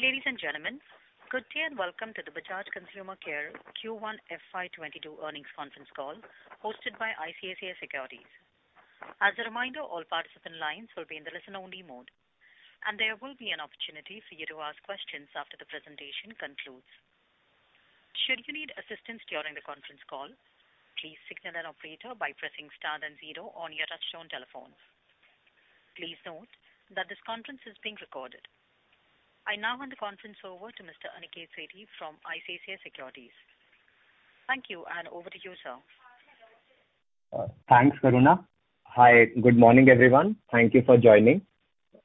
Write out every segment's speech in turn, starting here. Ladies and gentlemen, good day and Welcome to the Bajaj Consumer Care Q1 FY2022 Earnings Conference Call hosted by ICICI Securities. As a reminder all participants lines will be in the listen only mode and there will be an opportunity for you to ask questions after the presentation concludes. Should you need assistance during the conference call, please an operator by pressing star then zero on your touchtone telephone. Please note that this conference is being recorded. I now hand the conference over to Mr. Aniket Sethi from ICICI Securities. Thank you, and over to you, sir. Thanks, Farina. Hi. Good morning, everyone. Thank you for joining.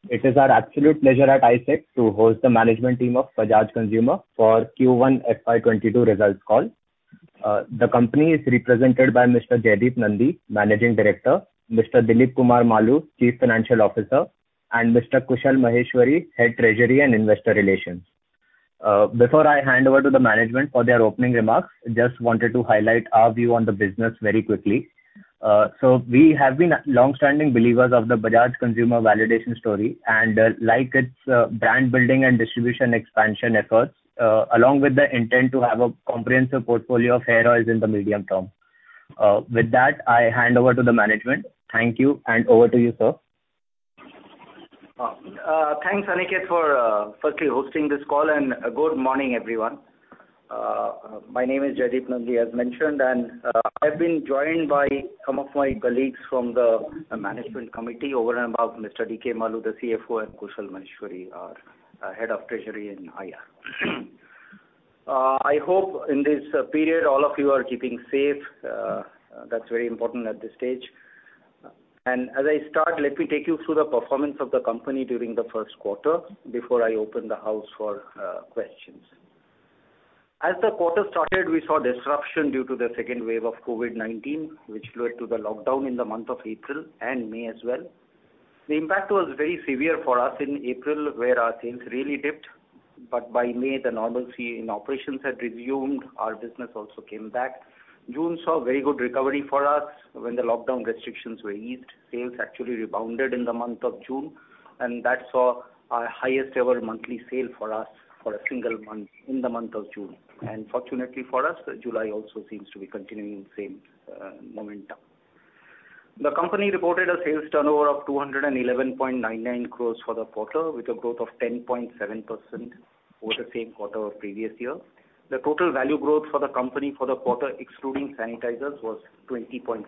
It is our absolute pleasure at ICICI to host the management team of Bajaj Consumer for Q1 FY 2022 results call. The company is represented by Mr. Jaideep Nandi, Managing Director, Mr. Dilip Kumar Maloo, Chief Financial Officer, and Mr. Kushal Maheshwari, Head Treasury and Investor Relations. Before I hand over to the management for their opening remarks, I just wanted to highlight our view on the business very quickly. We have been longstanding believers of the Bajaj Consumer validation story and like its brand building and distribution expansion efforts, along with the intent to have a comprehensive portfolio of hair oils in the medium term. With that, I hand over to the management. Thank you, and over to you, sir. Thanks, Aniket, for firstly hosting this call, and good morning, everyone. My name is Jaideep Nandi, as mentioned, and I've been joined by some of my colleagues from the management committee over and above Mr. DK Maloo, the CFO, and Kushal Maheshwari, our Head of Treasury and IR. I hope in this period, all of you are keeping safe. That's very important at this stage. As I start, let me take you through the performance of the company during the first quarter before I open the house for questions. As the quarter started, we saw disruption due to the second wave of COVID-19, which led to the lockdown in the month of April and May as well. The impact was very severe for us in April, where our sales really dipped. But by May, the normalcy in operations had resumed. Our business also came back. June saw very good recovery for us when the lockdown restrictions were eased. Sales actually rebounded in the month of June, that saw our highest-ever monthly sale for us for a single month in the month of June. Fortunately for us, July also seems to be continuing the same momentum. The company reported a sales turnover of 211.99 crore for the quarter, with a growth of 10.7% over the same quarter of the previous year. The total value growth for the company for the quarter, excluding sanitizers, was 20.4%.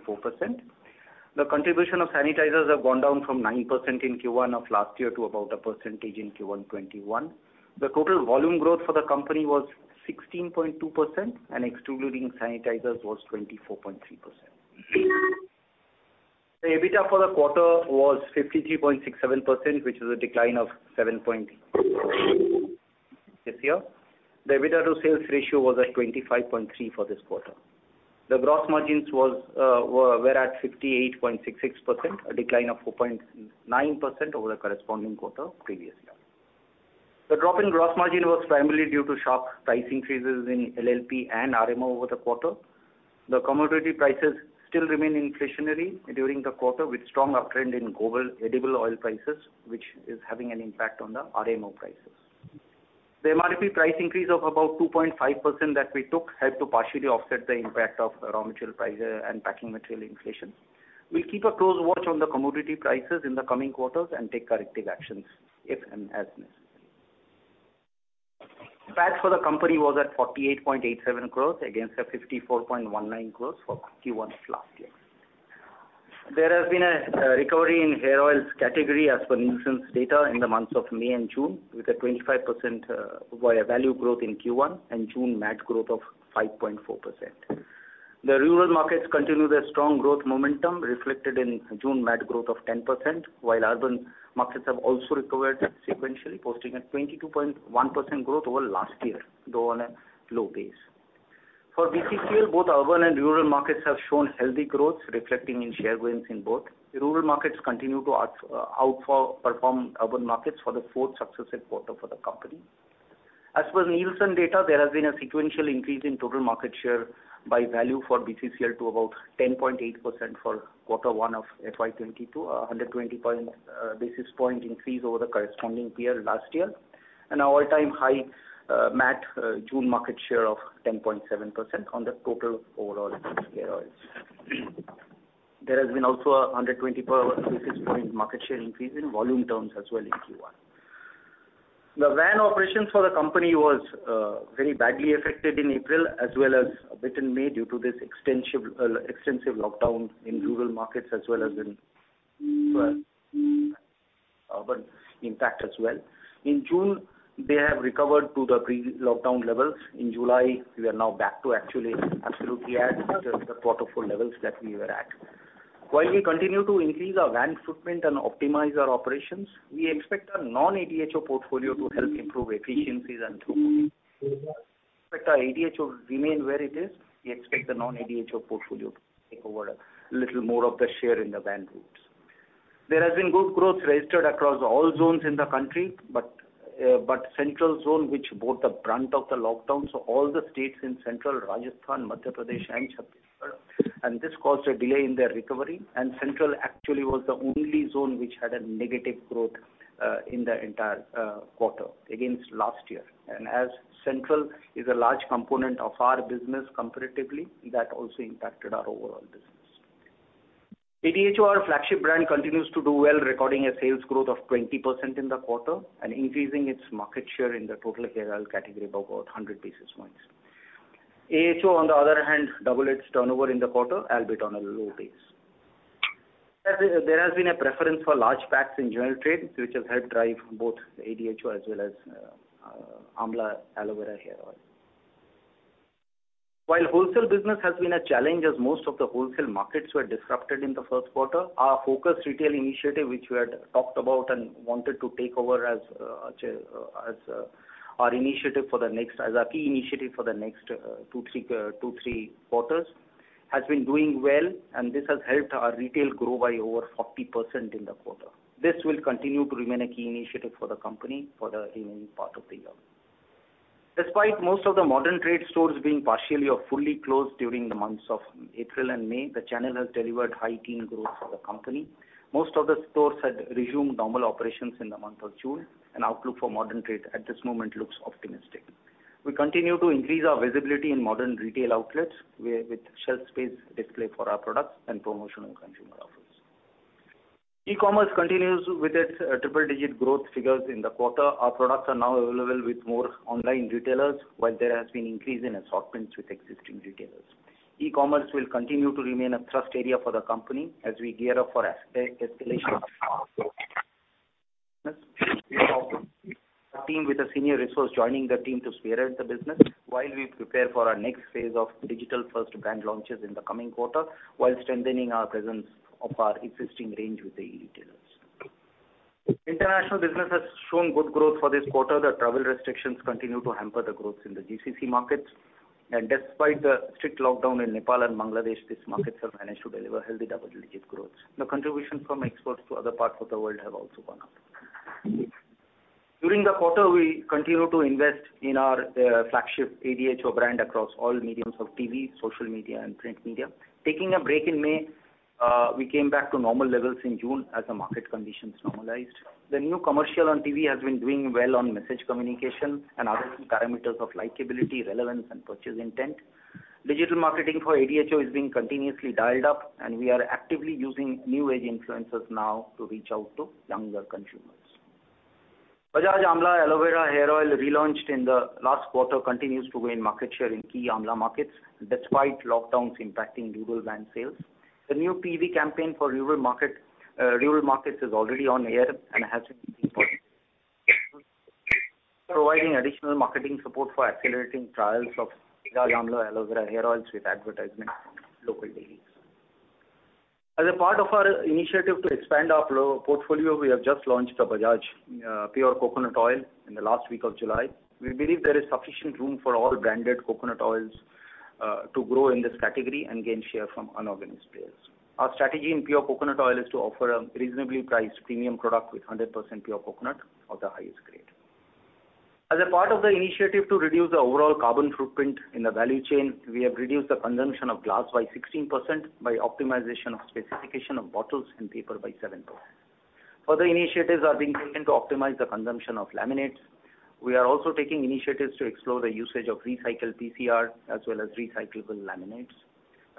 The contribution of sanitizers have gone down from 9% in Q1 of last year to about 1% in Q1 FY 2021. The total volume growth for the company was 16.2%, excluding sanitizers was 24.3%. The EBITDA for the quarter was 53.67%, which is a decline of 7.8% this year. The EBITDA to sales ratio was at 25.3% for this quarter. The gross margins were at 58.66%, a decline of 4.9% over the corresponding quarter previous year. The drop in gross margin was primarily due to sharp price increases in LLP and RMO over the quarter. The commodity prices still remain inflationary during the quarter, with strong uptrend in global edible oil prices, which is having an impact on the RMO prices. The MRP price increase of about 2.5% that we took helped to partially offset the impact of raw material prices and packing material inflation. We'll keep a close watch on the commodity prices in the coming quarters and take corrective actions if and as necessary. PAT for the company was at 48.87 crores against 54.19 crores for Q1 of last year. There has been a recovery in hair oils category as per Nielsen data in the months of May and June, with a 25% value growth in Q1 and June MAT growth of 5.4%. The rural markets continue their strong growth momentum reflected in June MAT growth of 10%, while urban markets have also recovered sequentially, posting a 22.1% growth over last year, though on a low base. For BCCL, both urban and rural markets have shown healthy growth, reflecting in share gains in both. Rural markets continue to outperform urban markets for the fourth successive quarter for the company. As per Nielsen data, there has been a sequential increase in total market share by value for BCCL to about 10.8% for quarter one of FY 2022, 120 basis point increase over the corresponding period last year, an all-time high MAT June market share of 10.7% on the total overall hair oils. There has been also a 120 basis point market share increase in volume terms as well in Q1. The van operations for the company was very badly affected in April as well as a bit in May due to this extensive lockdown in rural markets as well as in urban impact as well. In June, they have recovered to the pre-lockdown levels. In July, we are now back to actually absolutely at the quarter four levels that we were at. While we continue to increase our van footprint and optimize our operations, we expect our non-ADHO portfolio to help improve efficiencies and throughput. We expect our ADHO to remain where it is. We expect the non-ADHO portfolio to take over a little more of the share in the van routes. There has been good growth registered across all zones in the country, but Central zone, which bore the brunt of the lockdowns, so all the states in Central Rajasthan, Madhya Pradesh, and Chhattisgarh. This caused a delay in their recovery, and Central actually was the only zone which had a negative growth in the entire quarter against last year. As Central is a large component of our business comparatively, that also impacted our overall business. ADHO, our flagship brand, continues to do well, recording a sales growth of 20% in the quarter and increasing its market share in the total hair oil category by about 100 basis points. AHO, on the other hand, doubled its turnover in the quarter, albeit on a low base. There has been a preference for large packs in general trade, which has helped drive both ADHO as well as Amla Aloe Vera hair oil. While wholesale business has been a challenge, as most of the wholesale markets were disrupted in the first quarter, our focused retail initiative, which we had talked about and wanted to take over as our key initiative for the next two, three quarters, has been doing well, and this has helped our retail grow by over 40% in the quarter. This will continue to remain a key initiative for the company for the remaining part of the year. Despite most of the Modern Trade stores being partially or fully closed during the months of April and May, the channel has delivered high teen growth for the company. Most of the stores had resumed normal operations in the month of June. Outlook for Modern Trade at this moment looks optimistic. We continue to increase our visibility in modern retail outlets with shelf space display for our products and promotional consumer offers. E-commerce continues with its triple-digit growth figures in the quarter. Our products are now available with more online retailers, while there has been increase in assortments with existing retailers. E-commerce will continue to remain a thrust area for the company as we gear up for escalation the team with a senior resource joining the team to spearhead the business while we prepare for our next phase of digital-first brand launches in the coming quarter while strengthening our presence of our existing range with the e-retailers. International business has shown good growth for this quarter. The travel restrictions continue to hamper the growth in the GCC markets. Despite the strict lockdown in Nepal and Bangladesh, these markets have managed to deliver healthy double-digit growth. The contribution from exports to other parts of the world have also gone up. During the quarter, we continued to invest in our flagship ADHO brand across all mediums of TV, social media, and print media. Taking a break in May, we came back to normal levels in June as the market conditions normalized. The new commercial on TV has been doing well on message communication and other key parameters of likability, relevance, and purchase intent. Digital marketing for ADHO is being continuously dialed up, and we are actively using new-age influencers now to reach out to younger consumers. Bajaj Amla Aloe Vera hair oil relaunched in the last quarter continues to gain market share in key Amla markets despite lockdowns impacting rural van sales. The new TV campaign for rural markets is already on air and has been providing additional marketing support for accelerating trials of Bajaj Amla Aloe Vera hair oils with advertisements in locally. As a part of our initiative to expand our portfolio, we have just launched the Bajaj Pure Coconut Oil in the last week of July. We believe there is sufficient room for all branded coconut oils to grow in this category and gain share from unorganized players. Our strategy in pure coconut oil is to offer a reasonably priced premium product with 100% pure coconut of the highest grade. As a part of the initiative to reduce the overall carbon footprint in the value chain, we have reduced the consumption of glass by 16% by optimization of specification of bottles and paper by 7%. Further initiatives are being taken to optimize the consumption of laminates. We are also taking initiatives to explore the usage of recycled PCR as well as recyclable laminates.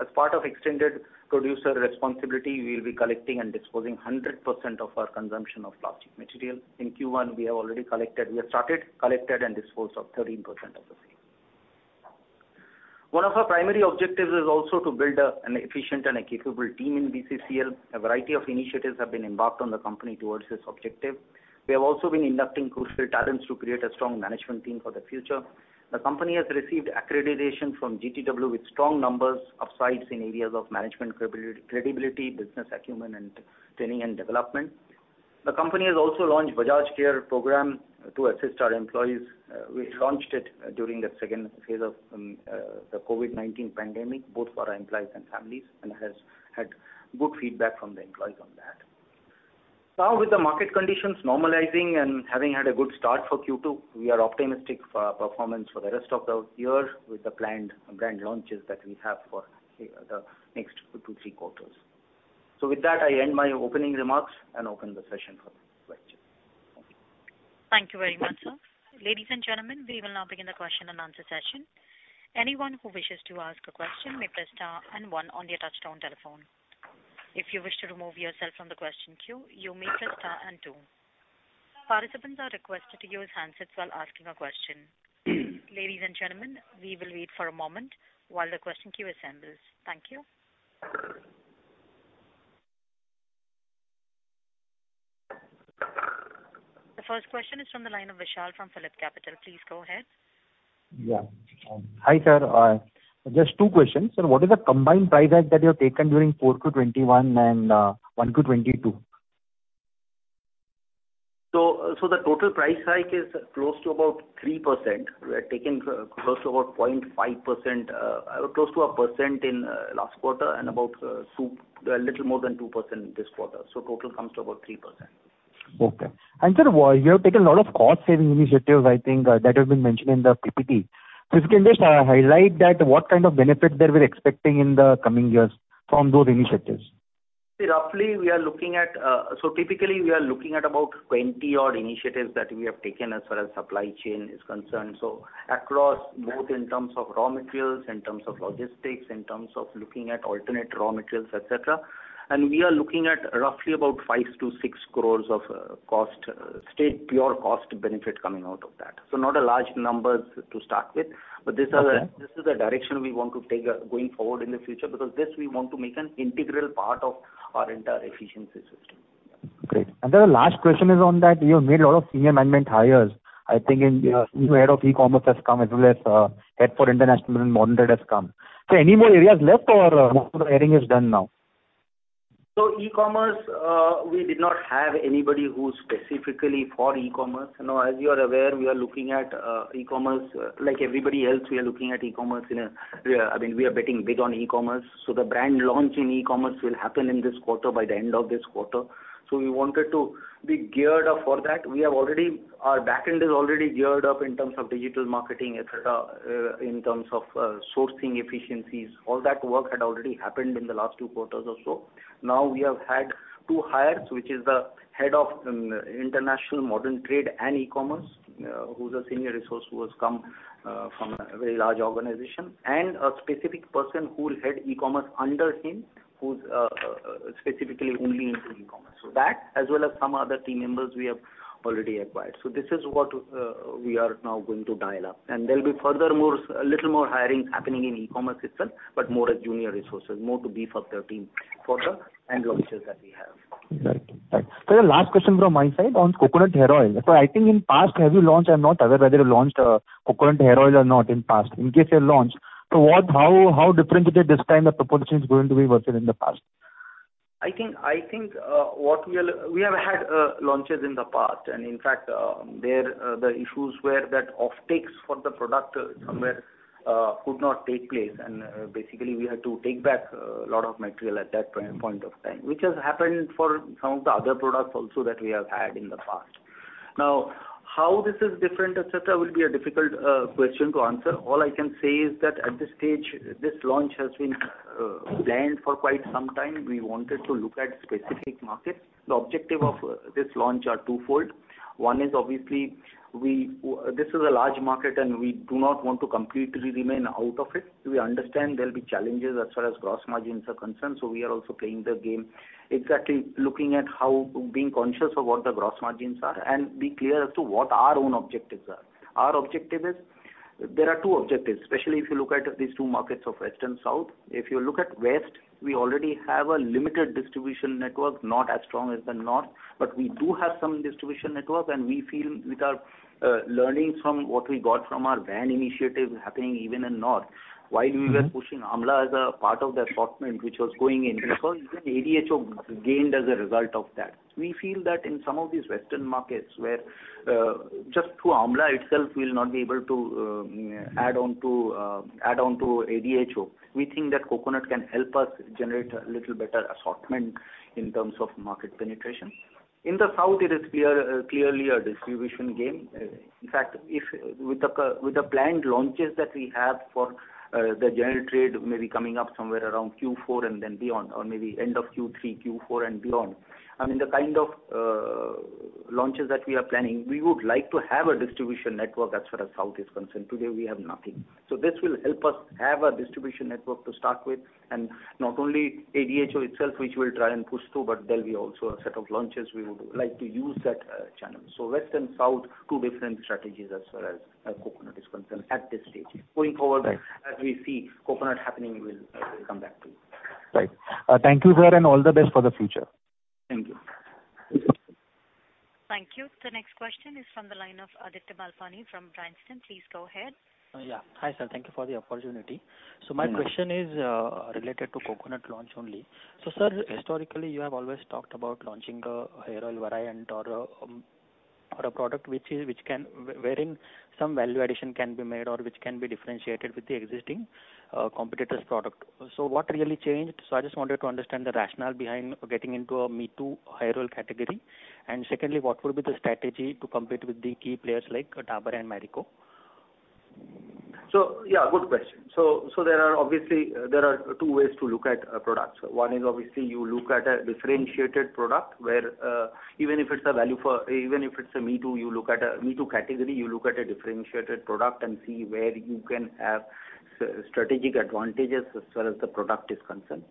As part of extended producer responsibility, we will be collecting and disposing 100% of our consumption of plastic material. In Q1, we have started, collected, and disposed of 13% of the same. One of our primary objectives is also to build an efficient and a capable team in BCCL. A variety of initiatives have been embarked on the company towards this objective. We have also been inducting crucial talents to create a strong management team for the future. The company has received accreditation from GPTW with strong numbers upsides in areas of management credibility, business acumen, and training and development. The company has also launched Bajaj Care Program to assist our employees. We launched it during the second phase of the COVID-19 pandemic, both for our employees and families, and has had good feedback from the employees on that. With the market conditions normalizing and having had a good start for Q2, we are optimistic for our performance for the rest of the year with the planned brand launches that we have for the next two-three quarters. With that, I end my opening remarks and open the session for questions. Thank you. Thank you very much, sir. Ladies and gentlemen, we will now begin the question and answer session. Anyone who wishes to ask a question may press star and one on their touchtone telephone. If you wish to remove yourself from the question queue, you may press star and two. Participants are requested to use handsets while asking a question. Ladies and gentlemen, we will wait for a moment while the question queue assembles. Thank you. The first question is from the line of Vishal from PhillipCapital. Please go ahead. Yeah. Hi, sir. Just two questions. What is the combined price hike that you have taken during Q4 FY 2021 and Q1 FY 2022? The total price hike is close to about 3%. We had taken close to 1% in last quarter and a little more than 2% this quarter. Total comes to about 3%. Okay. Sir, you have taken a lot of cost-saving initiatives, I think that have been mentioned in the PPT. If you can just highlight that, what kind of benefit that we're expecting in the coming years from those initiatives? Typically, we are looking at about 20 odd initiatives that we h ave taken as far as supply chain is concerned. Across both in terms of raw materials, in terms of logistics, in terms of looking at alternate raw materials, et cetera. We are looking at roughly about 5-6 crores of cost straight, pure cost benefit coming out of that. Not a large number to start with. Okay This is the direction we want to take going forward in the future. This, we want to make an integral part of our entire efficiency system. Great. The last question is on that you have made a lot of senior management hires. I think new head of e-commerce has come, as well as head for international and modern trade has come. Any more areas left or most of the hiring is done now? E-commerce, we did not have anybody who is specifically for e-commerce. As you are aware, like everybody else, we are looking at e-commerce. We are betting big on e-commerce. The brand launch in e-commerce will happen in this quarter, by the end of this quarter. We wanted to be geared up for that. Our back end is already geared up in terms of digital marketing, et cetera, in terms of sourcing efficiencies. All that work had already happened in the last two quarters or so. Now we have had two hires, which is the head of international modern trade and e-commerce, who's a senior resource who has come from a very large organization. A specific person who will head e-commerce under him, who's specifically only into e-commerce. That, as well as some other team members we have already acquired. This is what we are now going to dial up. There'll be a little more hiring happening in e-commerce itself, but more as junior resources, more to beef up their team for the end launches that we have. Right. Sir, the last question from my side on coconut hair oil. I think in past, have you launched, I'm not aware whether you launched coconut hair oil or not in past? In case you have launched, how differentiated this time the proposition is going to be versus in the past? I think we have had launches in the past, in fact, there the issues were that off takes for the product somewhere could not take place, basically we had to take back a lot of material at that point of time. Which has happened for some of the other products also that we have had in the past. Now, how this is different, et cetera, will be a difficult question to answer. All I can say is that at this stage, this launch has been planned for quite some time. We wanted to look at specific markets. The objective of this launch are twofold. One is obviously, this is a large market, we do not want to completely remain out of it. We understand there'll be challenges as far as gross margins are concerned, so we are also playing the game, exactly looking at how, being conscious of what the gross margins are and be clear as to what our own objectives are. There are two objectives, especially if you look at these two markets of West and South. If you look at West, we already have a limited distribution network, not as strong as the North. We do have some distribution network, and we feel with our learnings from what we got from our van initiative happening even in North, while we were pushing Amla as a part of the assortment which was going in fact even ADHO gained as a result of that. We feel that in some of these Western markets where just through Amla itself we'll not be able to add on to ADHO. We think that coconut can help us generate a little better assortment in terms of market penetration. In the south, it is clearly a distribution game. In fact, with the planned launches that we have for the general trade, maybe coming up somewhere around Q4 and then beyond. Maybe end of Q3, Q4 and beyond. I mean, the kind of launches that we are planning, we would like to have a distribution network as far as south is concerned. Today we have nothing. This will help us have a distribution network to start with. Not only ADHO itself, which we'll try and push through, but there'll be also a set of launches we would like to use that channel. West and south, two different strategies as far as coconut is concerned at this stage. Right as we see coconut happening, we'll come back to you. Right. Thank you, sir, and all the best for the future. Thank you. Thank you. The next question is from the line of Aditya Malpani from Bryanston. Please go ahead. Yeah. Hi, sir. Thank you for the opportunity. My question is related to coconut launch only. Sir, historically, you have always talked about launching a hair oil variant or a product wherein some value addition can be made or which can be differentiated with the existing competitor's product. What really changed? I just wanted to understand the rationale behind getting into a me-too hair oil category. Secondly, what will be the strategy to compete with the key players like Dabur and Marico? Yeah, good question. There are two ways to look at products. One is obviously you look at a differentiated product where even if it's a me-too category, you look at a differentiated product and see where you can have strategic advantages as far as the product is concerned.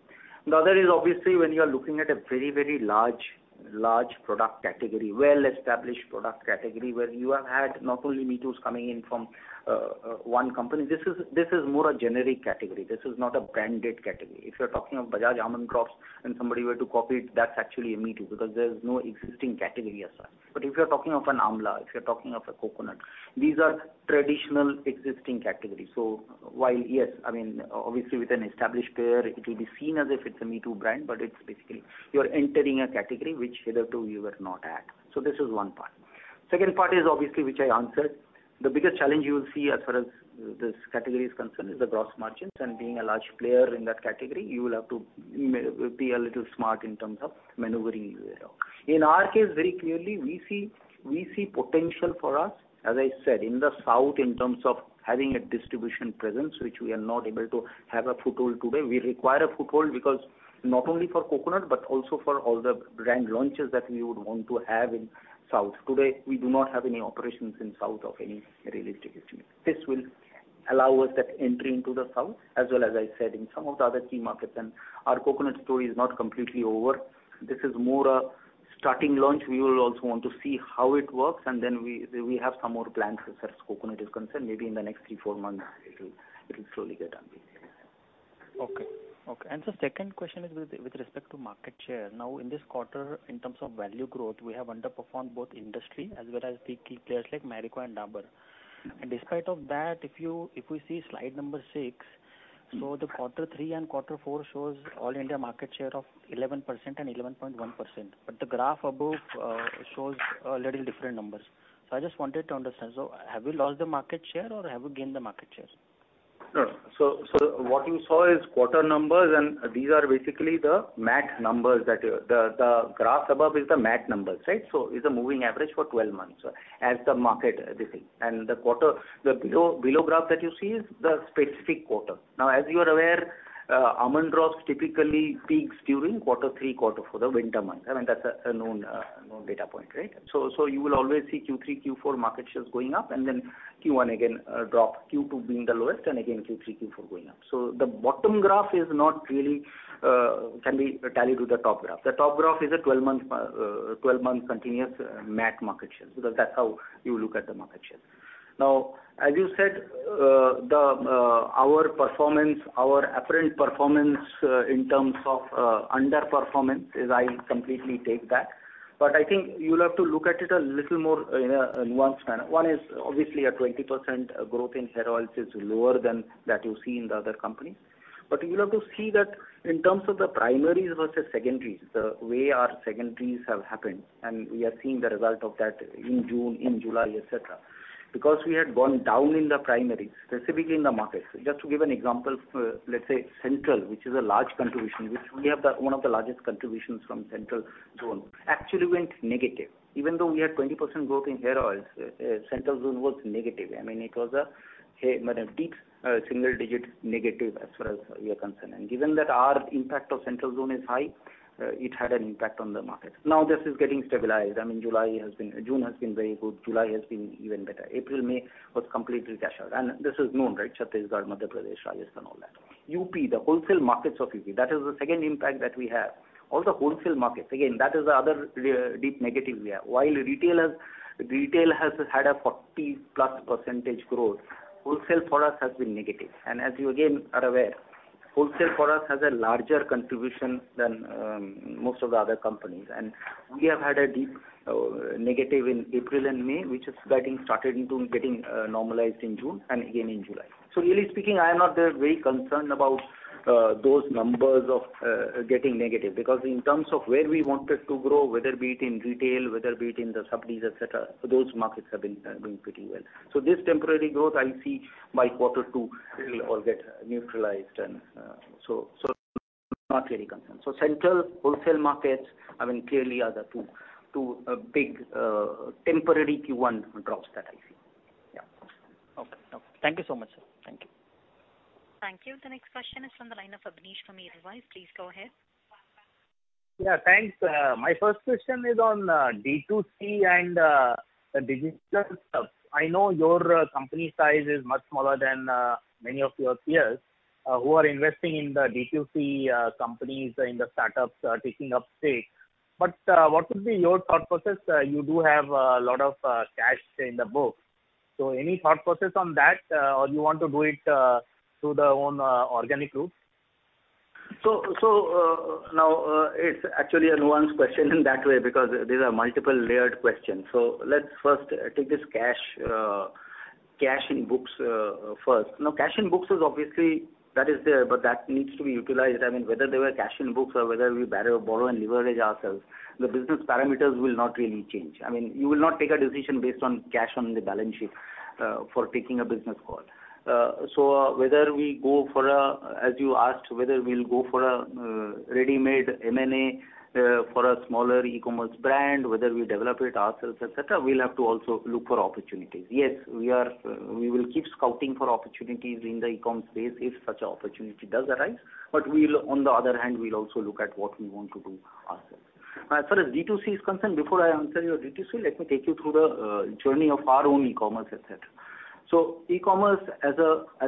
The other is obviously when you are looking at a very, very large product category, well-established product category, where you have had not only me-toos coming in from one company. This is more a generic category. This is not a branded category. If you're talking of Bajaj Almond Drops and somebody were to copy it, that's actually a me-too because there's no existing category as such. If you're talking of an Amla, if you're talking of a coconut, these are traditional existing categories. While, yes, obviously with an established player, it will be seen as if it's a me-too brand, but it's basically you're entering a category which hitherto you were not at. Second part is obviously, which I answered. The biggest challenge you will see as far as this category is concerned is the gross margins and being a large player in that category, you will have to be a little smart in terms of maneuvering. In our case, very clearly, we see potential for us, as I said, in the South in terms of having a distribution presence, which we are not able to have a foothold today. We require a foothold because not only for coconut, but also for all the brand launches that we would want to have in South. Today, we do not have any operations in South of any realistic estimate. This will allow us that entry into the south as well as I said, in some of the other key markets, and our coconut story is not completely over. This is more a starting launch. We will also want to see how it works, and then we have some more plans as far as coconut is concerned. Maybe in the next three, four months, it will slowly get done. Okay. The second question is with respect to market share. Now, in this quarter, in terms of value growth, we have underperformed both industry as well as the key players like Marico and Dabur. Despite of that, if we see slide number six, the quarter three and quarter four shows all India market share of 11% and 11.1%, but the graph above shows a little different numbers. I just wanted to understand. Have we lost the market share or have we gained the market share? No. What you saw is quarter numbers, and these are basically the MAT numbers. The graph above is the MAT numbers. It's a moving average for 12 months as the market, this thing. The below graph that you see is the specific quarter. As you are aware, Almond Drops typically peaks during quarter three, quarter four, the winter months. I mean, that's a known data point, right? You will always see Q3, Q4 market shares going up, and then Q1, again, a drop, Q2 being the lowest, and again Q3, Q4 going up. The bottom graph is not really can be tallied to the top graph. The top graph is a 12-month continuous MAT market share because that's how you look at the market share. As you said, our apparent performance in terms of underperformance is I completely take that. I think you'll have to look at it a little more in a nuanced manner. One is obviously a 20% growth in hair oils is lower than that you see in the other companies. You'll have to see that in terms of the primaries versus secondaries, the way our secondaries have happened, and we are seeing the result of that in June, in July, et cetera. Because we had gone down in the primaries, specifically in the markets. Just to give an example, let's say Central, which is a large contribution, which we have one of the largest contributions from Central Zone, actually went negative. Even though we had 20% growth in hair oils, Central Zone was negative. I mean, it was a deep single-digit negative as far as we are concerned. Given that our impact of Central Zone is high, it had an impact on the market. Now this is getting stabilized. I mean, June has been very good. July has been even better. April, May was completely cashed out. This is known, Chhattisgarh, Madhya Pradesh, Rajasthan, all that. UP, the wholesale markets of UP, that is the second impact that we have. Also wholesale markets, again, that is the other deep negative we have. While retail has had a 40%+ growth, wholesale for us has been negative. As you again are aware, wholesale for us has a larger contribution than most of the other companies. We have had a deep negative in April and May, which is getting started into getting normalized in June and again in July. Really speaking, I am not very concerned about those numbers of getting negative because in terms of where we wanted to grow, whether be it in retail, whether be it in the sub-Ds, et cetera, those markets have been doing pretty well. This temporary growth, I see by quarter two, it will all get neutralized, and so not really concerned. Central wholesale markets, I mean, clearly are the two big temporary Q1 drops that I see. Yeah. Okay. Thank you so much, sir. Thank you. Thank you. The next question is from the line of Abneesh from Edelweiss. Please go ahead. Yeah, thanks. My first question is on D2C and the digital stuff. I know your company size is much smaller than many of your peers who are investing in the D2C companies, in the startups, taking up stake. What would be your thought process? You do have a lot of cash in the books. Any thought process on that, or you want to do it through the own organic route? Now it's actually a nuanced question in that way because these are multiple layered questions. Let's first take this cash in books first. Cash in books is obviously that is there, but that needs to be utilized. I mean, whether there were cash in books or whether we borrow and leverage ourselves, the business parameters will not really change. I mean, you will not take a decision based on cash on the balance sheet for taking a business call. As you asked, whether we'll go for a ready-made M&A for a smaller e-commerce brand, whether we develop it ourselves, et cetera, we'll have to also look for opportunities. Yes, we will keep scouting for opportunities in the e-com space if such an opportunity does arise. On the other hand, we'll also look at what we want to do ourselves. As far as D2C is concerned, before I answer your D2C, let me take you through the journey of our own e-commerce, et cetera. E-commerce, as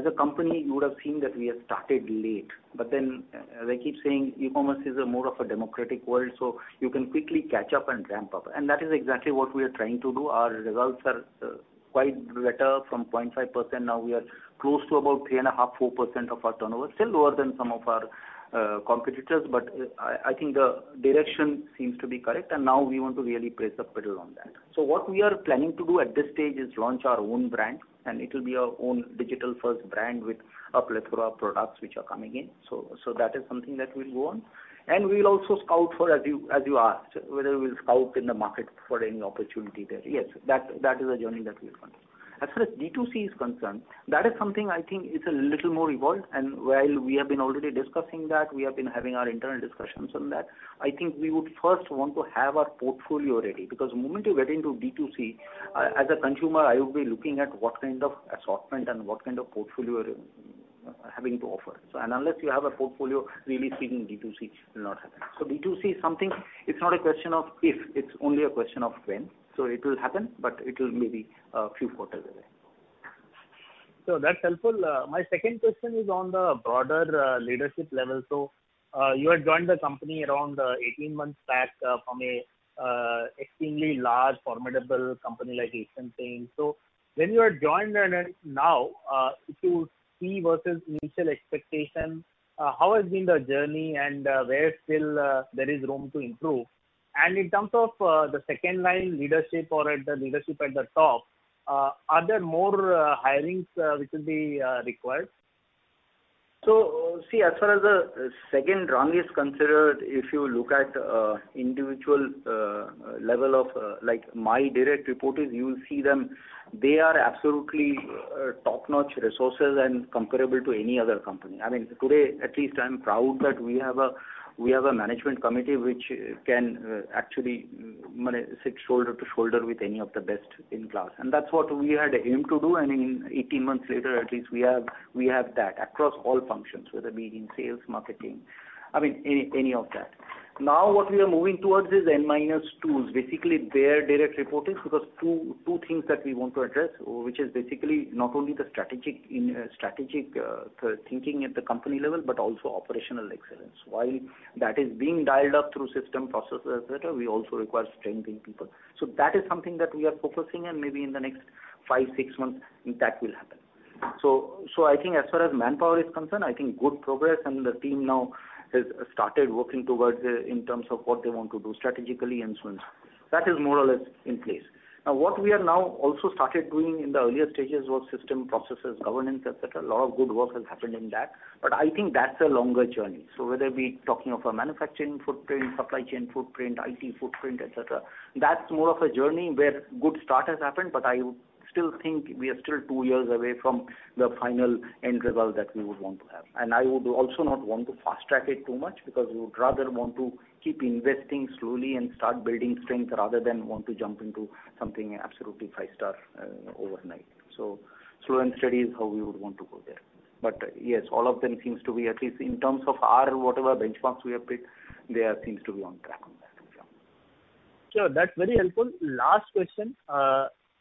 a company, you would have seen that we have started late. As I keep saying, e-commerce is a more of a democratic world. You can quickly catch up and ramp up. That is exactly what we are trying to do. Our results are quite better from 0.5%. Now we are close to about 3.5%, 4% of our turnover. Still lower than some of our competitors. I think the direction seems to be correct. Now we want to really press the pedal on that. What we are planning to do at this stage is launch our own brand. It will be our own digital-first brand with a plethora of products which are coming in. That is something that we'll go on. We'll also scout for, as you asked, whether we'll scout in the market for any opportunity there. Yes, that is a journey that we will continue. As far as D2C is concerned, that is something I think is a little more evolved, and while we have been already discussing that, we have been having our internal discussions on that. I think we would first want to have our portfolio ready, because the moment you get into D2C, as a consumer, I would be looking at what kind of assortment and what kind of portfolio you are having to offer. Unless you have a portfolio, really speaking, D2C will not happen. D2C is something, it's not a question of if, it's only a question of when. It will happen, but it will maybe a few quarters away. That's helpful. My second question is on the broader leadership level. You had joined the company around 18 months back from a extremely large, formidable company like Asian Paints. When you had joined and now, if you see versus initial expectation, how has been the journey and where still there is room to improve? In terms of the second line leadership or the leadership at the top, are there more hirings which will be required? See, as far as the second rung is considered, if you look at individual level of my direct reporters, you will see them. They are absolutely top-notch resources and comparable to any other company. I mean, today, at least I'm proud that we have a management committee which can actually sit shoulder to shoulder with any of the best in class. That's what we had aimed to do, and 18 months later, at least we have that across all functions, whether it be in sales, marketing, any of that. What we are moving towards is N-2s, basically their direct reporters, because two things that we want to address, which is basically not only the strategic thinking at the company level, but also operational excellence. While that is being dialed up through system processes, we also require strength in people. That is something that we are focusing and maybe in the next five, six months that will happen. I think as far as manpower is concerned, I think good progress and the team now has started working towards in terms of what they want to do strategically and so and so forth. That is more or less in place. What we are now also started doing in the earlier stages was system, processes, governance, et cetera. A lot of good work has happened in that, but I think that's a longer journey. Whether we're talking of a manufacturing footprint, supply chain footprint, IT footprint, et cetera, that's more of a journey where good start has happened, but I still think we are still two years away from the final end result that we would want to have. I would also not want to fast-track it too much, because we would rather want to keep investing slowly and start building strength rather than want to jump into something absolutely five-star overnight. Slow and steady is how we would want to go there. Yes, all of them seems to be at least in terms of our whatever benchmarks we have picked, they are seems to be on track on that as well. Sure, that's very helpful. Last question.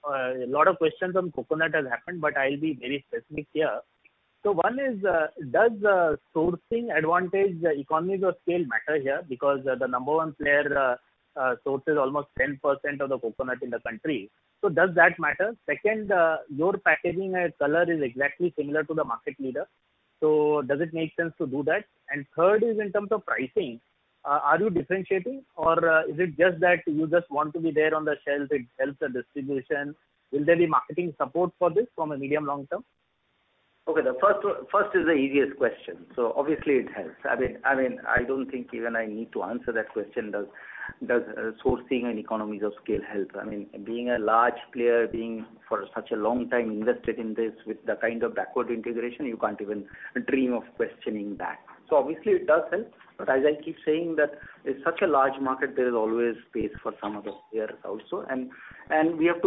A lot of questions on Coconut has happened, but I'll be very specific here. One is, does sourcing advantage economies of scale matter here? Because the number one player sources almost 10% of the coconut in the country. Does that matter? Second, your packaging color is exactly similar to the market leader. Does it make sense to do that? Third is in terms of pricing, are you differentiating or is it just that you just want to be there on the shelf, it helps the distribution? Will there be marketing support for this from a medium long-term? The first is the easiest question. Obviously it helps. I don't think even I need to answer that question, does sourcing and economies of scale help? Being a large player, being for such a long time invested in this with the kind of backward integration, you can't even dream of questioning that. Obviously it does help, but as I keep saying that it's such a large market, there is always space for some other players also. We have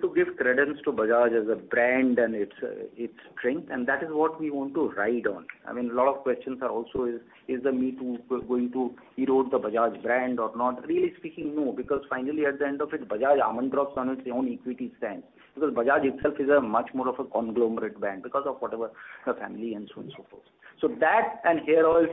to give credence to Bajaj as a brand and its strength, and that is what we want to ride on. A lot of questions are also is the me too going to erode the Bajaj brand or not? Really speaking, no, because finally at the end of it, Bajaj Almond Drops on its own equity stand. Bajaj itself is a much more of a conglomerate brand because of whatever the family and so and so forth. That and hair oils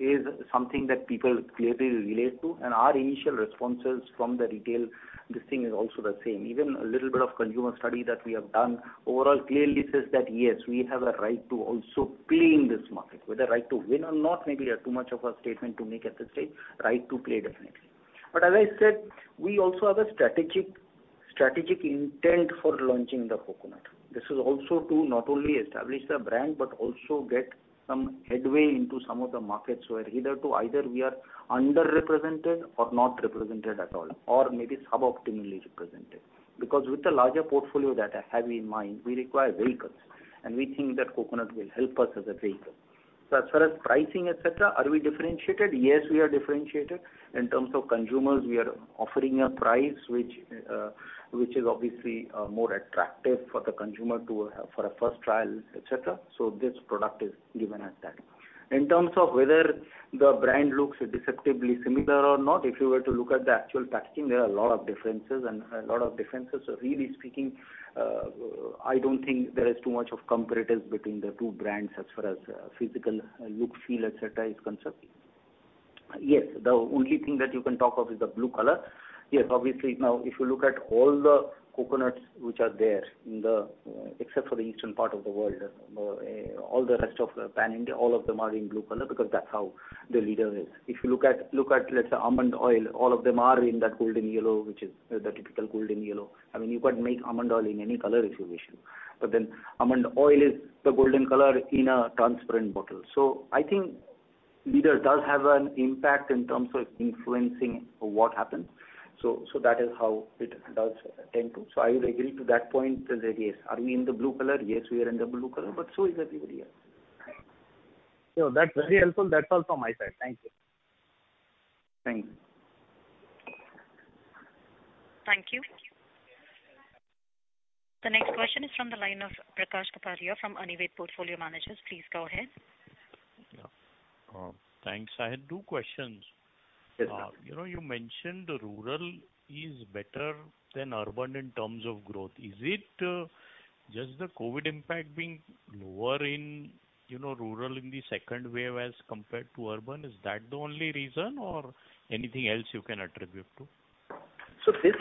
is something that people clearly relate to, and our initial responses from the retail, this thing is also the same. Even a little bit of consumer study that we have done overall clearly says that, yes, we have a right to also play in this market. With the right to win or not, maybe a too much of a statement to make at this stage. Right to play, definitely. As I said, we also have a strategic intent for launching the Coconut. This is also to not only establish the brand, but also get some headway into some of the markets where either we are underrepresented or not represented at all, or maybe sub-optimally represented. With the larger portfolio that I have in mind, we require vehicles, and we think that Coconut will help us as a vehicle. As far as pricing, et cetera, are we differentiated? Yes, we are differentiated. In terms of consumers, we are offering a price which is obviously more attractive for the consumer for a first trial, et cetera. This product is given as that. In terms of whether the brand looks deceptively similar or not, if you were to look at the actual packaging, there are a lot of differences. Really speaking, I don't think there is too much of comparatives between the two brands as far as physical look, feel, et cetera, is concerned. Yes, the only thing that you can talk of is the blue color. Obviously now, if you look at all the coconuts which are there except for the eastern part of the world, all the rest of Pan-India, all of them are in blue color because that's how the leader is. If you look at, let's say, almond oil, all of them are in that golden yellow, which is the typical golden yellow. You can make almond oil in any color if you wish, but almond oil is the golden color in a transparent bottle. I think leader does have an impact in terms of influencing what happens. That is how it does tend to. I will agree to that point that, yes, are we in the blue color? Yes, we are in the blue color, but so is everybody else. That's very helpful. That's all from my side. Thank you. Thank you. Thank you. The next question is from the line of Prakash Kapadia from Anived Portfolio Managers. Please go ahead. Yeah. Thanks. I had two questions. Yes, sir. You mentioned rural is better than urban in terms of growth. Is it just the COVID impact being lower in rural in the second wave as compared to urban? Is that the only reason or anything else you can attribute to? This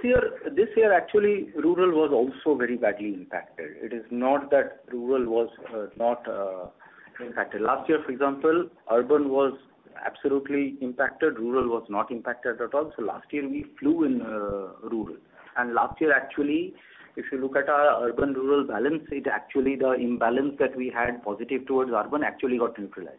year, actually, rural was also very badly impacted. It is not that rural was not impacted. Last year, for example, urban was absolutely impacted. Rural was not impacted at all. Last year we flew in rural. Last year, actually, if you look at our urban-rural balance, actually the imbalance that we had positive towards urban actually got neutralized.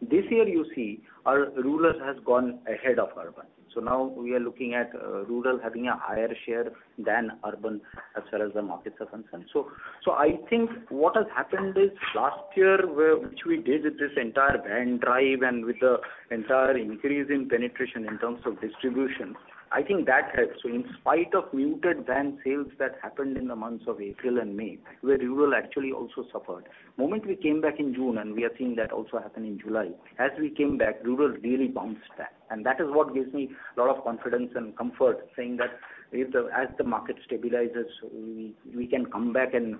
This year, you see rural has gone ahead of urban. Now we are looking at rural having a higher share than urban as far as the markets are concerned. I think what has happened is last year, which we did with this entire van drive and with the entire increase in penetration in terms of distribution, I think that helped. In spite of muted van sales that happened in the months of April and May, where rural actually also suffered. The moment we came back in June, and we are seeing that also happen in July, as we came back, rural really bounced back. That is what gives me a lot of confidence and comfort, saying that as the market stabilizes, we can come back and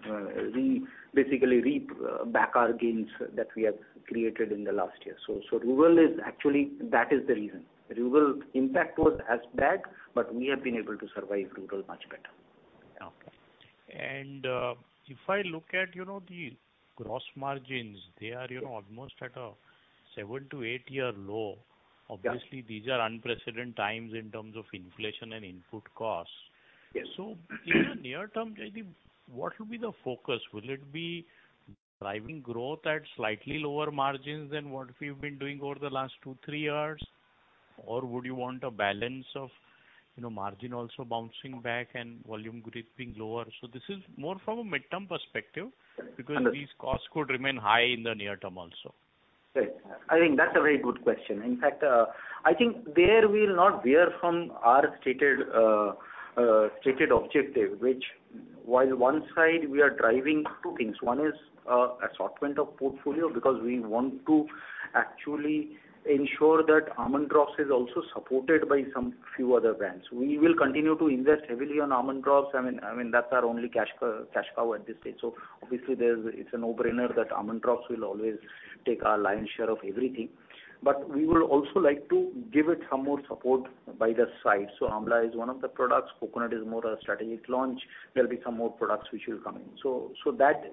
basically reap back our gains that we have created in the last year. Rural is actually, that is the reason. Rural impact was as bad, we have been able to survive rural much better. Okay. If I look at the gross margins, they are almost at a seven to eight year low. Yeah. Obviously, these are unprecedented times in terms of inflation and input costs. Yes. In the near term, what will be the focus? Will it be driving growth at slightly lower margins than what we've been doing over the last two, three years? Would you want a balance of margin also bouncing back and volume growth being lower? This is more from a midterm perspective, because these costs could remain high in the near term also. Right. I think that's a very good question. In fact, I think there we will not veer from our stated objective, which while one side, we are driving two things. One is assortment of portfolio, because we want to actually ensure that Almond Drops is also supported by some few other brands. We will continue to invest heavily on Almond Drops. That's our only cash cow at this stage. Obviously it's a no-brainer that Almond Drops will always take our lion's share of everything. We would also like to give it some more support by the side. Amla is one of the products. Coconut is more a strategic launch. There will be some more products which will come in. That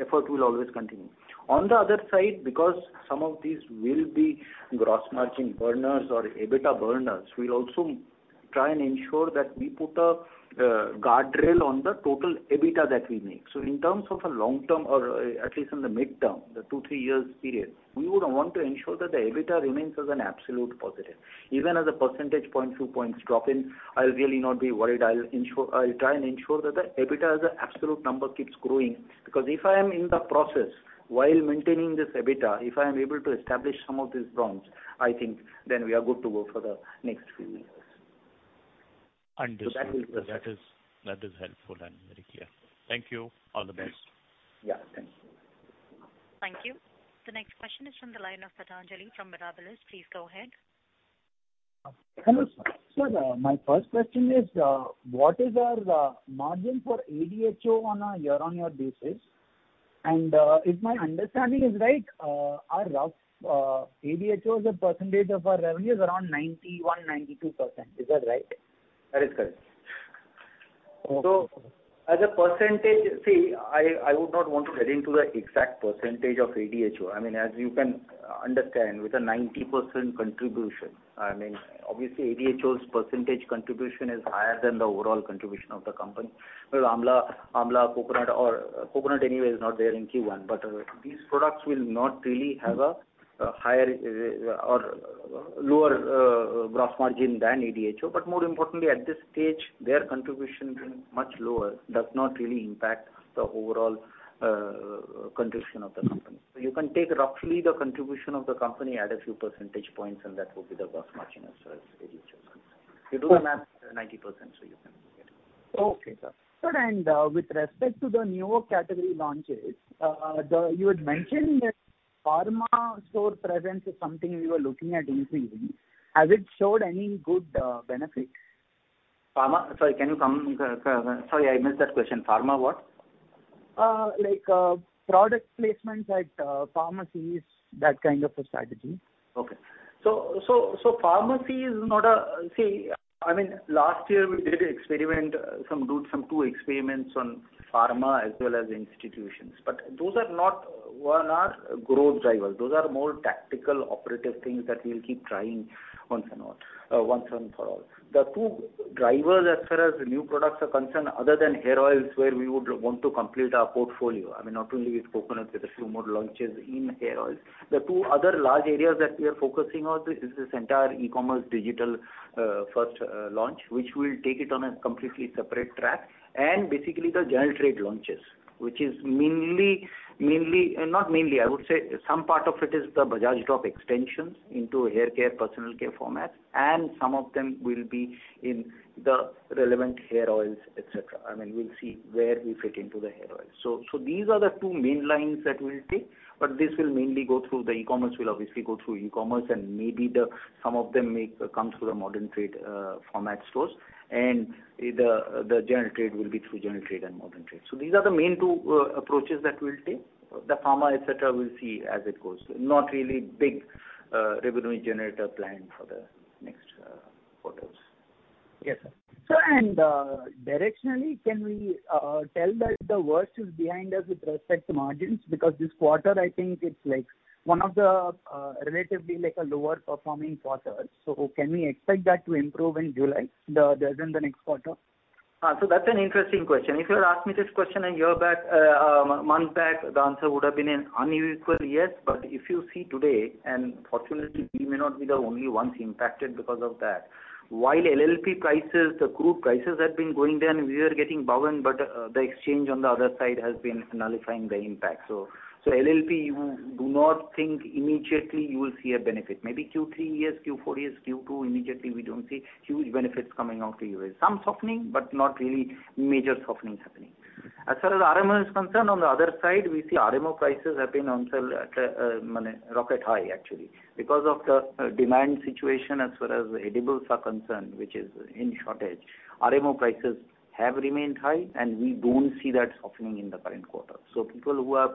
effort will always continue. On the other side, because some of these will be gross margin burners or EBITDA burners, we'll also try and ensure that we put a guardrail on the total EBITDA that we make. In terms of a long term or at least in the midterm, the 2, 3 years period, we would want to ensure that the EBITDA remains as an absolute positive. Even as a percentage point, two points drop in, I'll really not be worried. I'll try and ensure that the EBITDA as an absolute number keeps growing. If I am in the process while maintaining this EBITDA, if I am able to establish some of these brands, I think then we are good to go for the next few years. Understood. That will be the focus. That is helpful and very clear. Thank you. All the best. Yeah. Thank you. Thank you. The next question is from the line of Pathanjali from Mirabilis. Please go ahead. Hello, sir. Sir, my first question is, what is our margin for ADHO on a year-on-year basis? If my understanding is right, our rough ADHO as a percentage of our revenue is around 91%-92%. Is that right? That is correct. As a percentage, see, I would not want to get into the exact percentage of ADHO. As you can understand, with a 90% contribution, obviously ADHO's percentage contribution is higher than the overall contribution of the company. Amla, Coconut. Coconut anyway is not there in Q1. These products will not really have a higher or lower gross margin than ADHO. More importantly, at this stage, their contribution being much lower does not really impact the overall contribution of the company. You can take roughly the contribution of the company, add a few percentage points, and that will be the gross margin as far as ADHO is concerned. You do the math, 90%, so you can get it. Okay, sir. Sir, with respect to the newer category launches, you had mentioned that pharma store presence is something you were looking at increasing. Has it showed any good benefit? Pharma? Sorry, I missed that question. Pharma what? Like product placements at pharmacies, that kind of a strategy. Okay. Pharmacy is not. Last year we did two experiments on pharma as well as institutions. Those are not one hour growth drivers. Those are more tactical operative things that we'll keep trying once and for all. The two drivers as far as new products are concerned, other than hair oils, where we would want to complete our portfolio. Not only with coconut, with a few more launches in hair oils. The two other large areas that we are focusing on is this entire e-commerce digital first launch, which we'll take it on a completely separate track, and basically the general trade launches, which mainly, not mainly I would say is some part of it is the Bajaj drop extensions into haircare personal care formats, and some of them will be in the relevant hair oils, et cetera. We'll see where we fit into the hair oils. These are the two main lines that we'll take. This will mainly go through the e-commerce, will obviously go through e-commerce, and maybe some of them may come through the modern trade format stores. The general trade will be through general trade and modern trade. These are the main two approaches that we'll take. The pharma, et cetera, we'll see as it goes. Not really big revenue generator plan for the next quarters. Yes, sir. Sir, directionally, can we tell that the worst is behind us with respect to margins? This quarter, I think it's one of the relatively lower performing quarters. Can we expect that to improve in July than the next quarter? That's an interesting question. If you had asked me this question a year back, months back, the answer would have been an unequivocal yes. If you see today, and fortunately, we may not be the only ones impacted because of that. While LLP prices, the crude prices had been going down, we were getting buying, but the exchange on the other side has been nullifying the impact. LLP, do not think immediately you will see a benefit. Maybe Q3, yes, Q4, yes. Q2, immediately, we don't see huge benefits coming out to you. Some softening, but not really major softening happening. As far as RMO is concerned, on the other side, we see RMO prices have been on rocket high actually. Because of the demand situation as far as edibles are concerned, which is in shortage, RMO prices have remained high, and we don't see that softening in the current quarter. People who have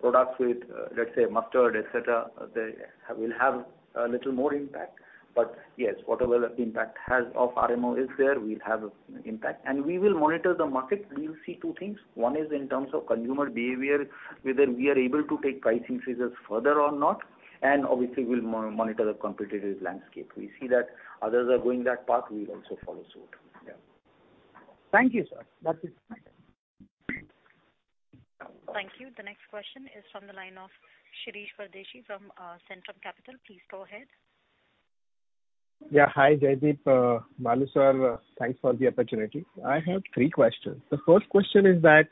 products with, let's say, mustard, et cetera, they will have a little more impact. Yes, whatever the impact has of RMO is there, we'll have impact. We will monitor the market. We will see two things. One is in terms of consumer behavior, whether we are able to take price increases further or not. Obviously, we'll monitor the competitive landscape. We see that others are going that path, we'll also follow suit. Yeah. Thank you, sir. That is it. Thank you. The next question is from the line of Shirish Pardeshi from Centrum Capital. Please go ahead. Yeah. Hi, Jaideep. Manu, sir, thanks for the opportunity. I have three questions. The first question is that,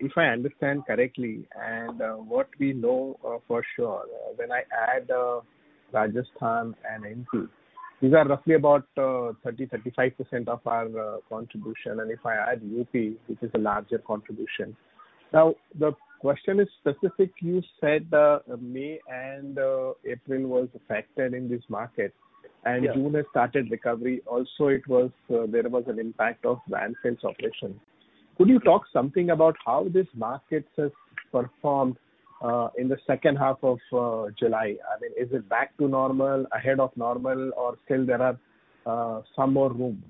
if I understand correctly and what we know for sure, when I add Rajasthan and MP, these are roughly about 30%, 35% of our contribution, and if I add UP, which is a larger contribution. The question is specific. You said May and April was affected in this market. Yeah. June has started recovery. Also there was an impact of van sales operation. Could you talk something about how this market has performed in the second half of July? Is it back to normal, ahead of normal, or still there are some more room?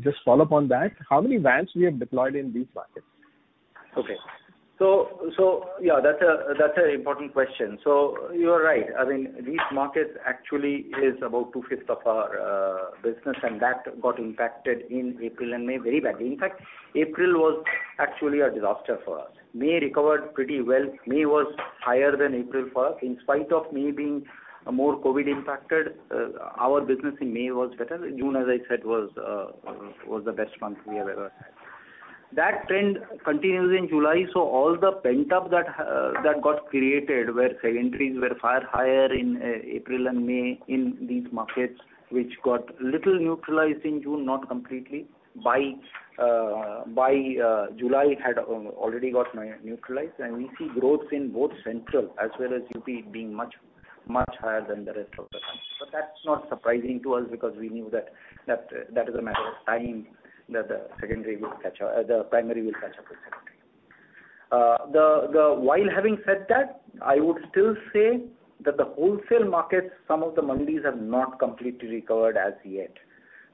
Just follow up on that, how many vans we have deployed in these markets? Okay. Yeah, that's an important question. You are right. These markets actually is about two-fifths of our business, and that got impacted in April and May very badly. In fact, April was actually a disaster for us. May recovered pretty well. May was higher than April for us. In spite of May being more COVID impacted, our business in May was better. June, as I said, was the best month we have ever had. That trend continues in July, so all the pent-up that got created, where secondaries were far higher in April and May in these markets, which got little neutralized in June, not completely. By July, it had already got neutralized, and we see growth in both Central as well as UP being much higher than the rest of the country. That's not surprising to us because we knew that is a matter of time, that the primary will catch up with secondary. Having said that, I would still say that the wholesale markets, some of the mandis have not completely recovered as yet.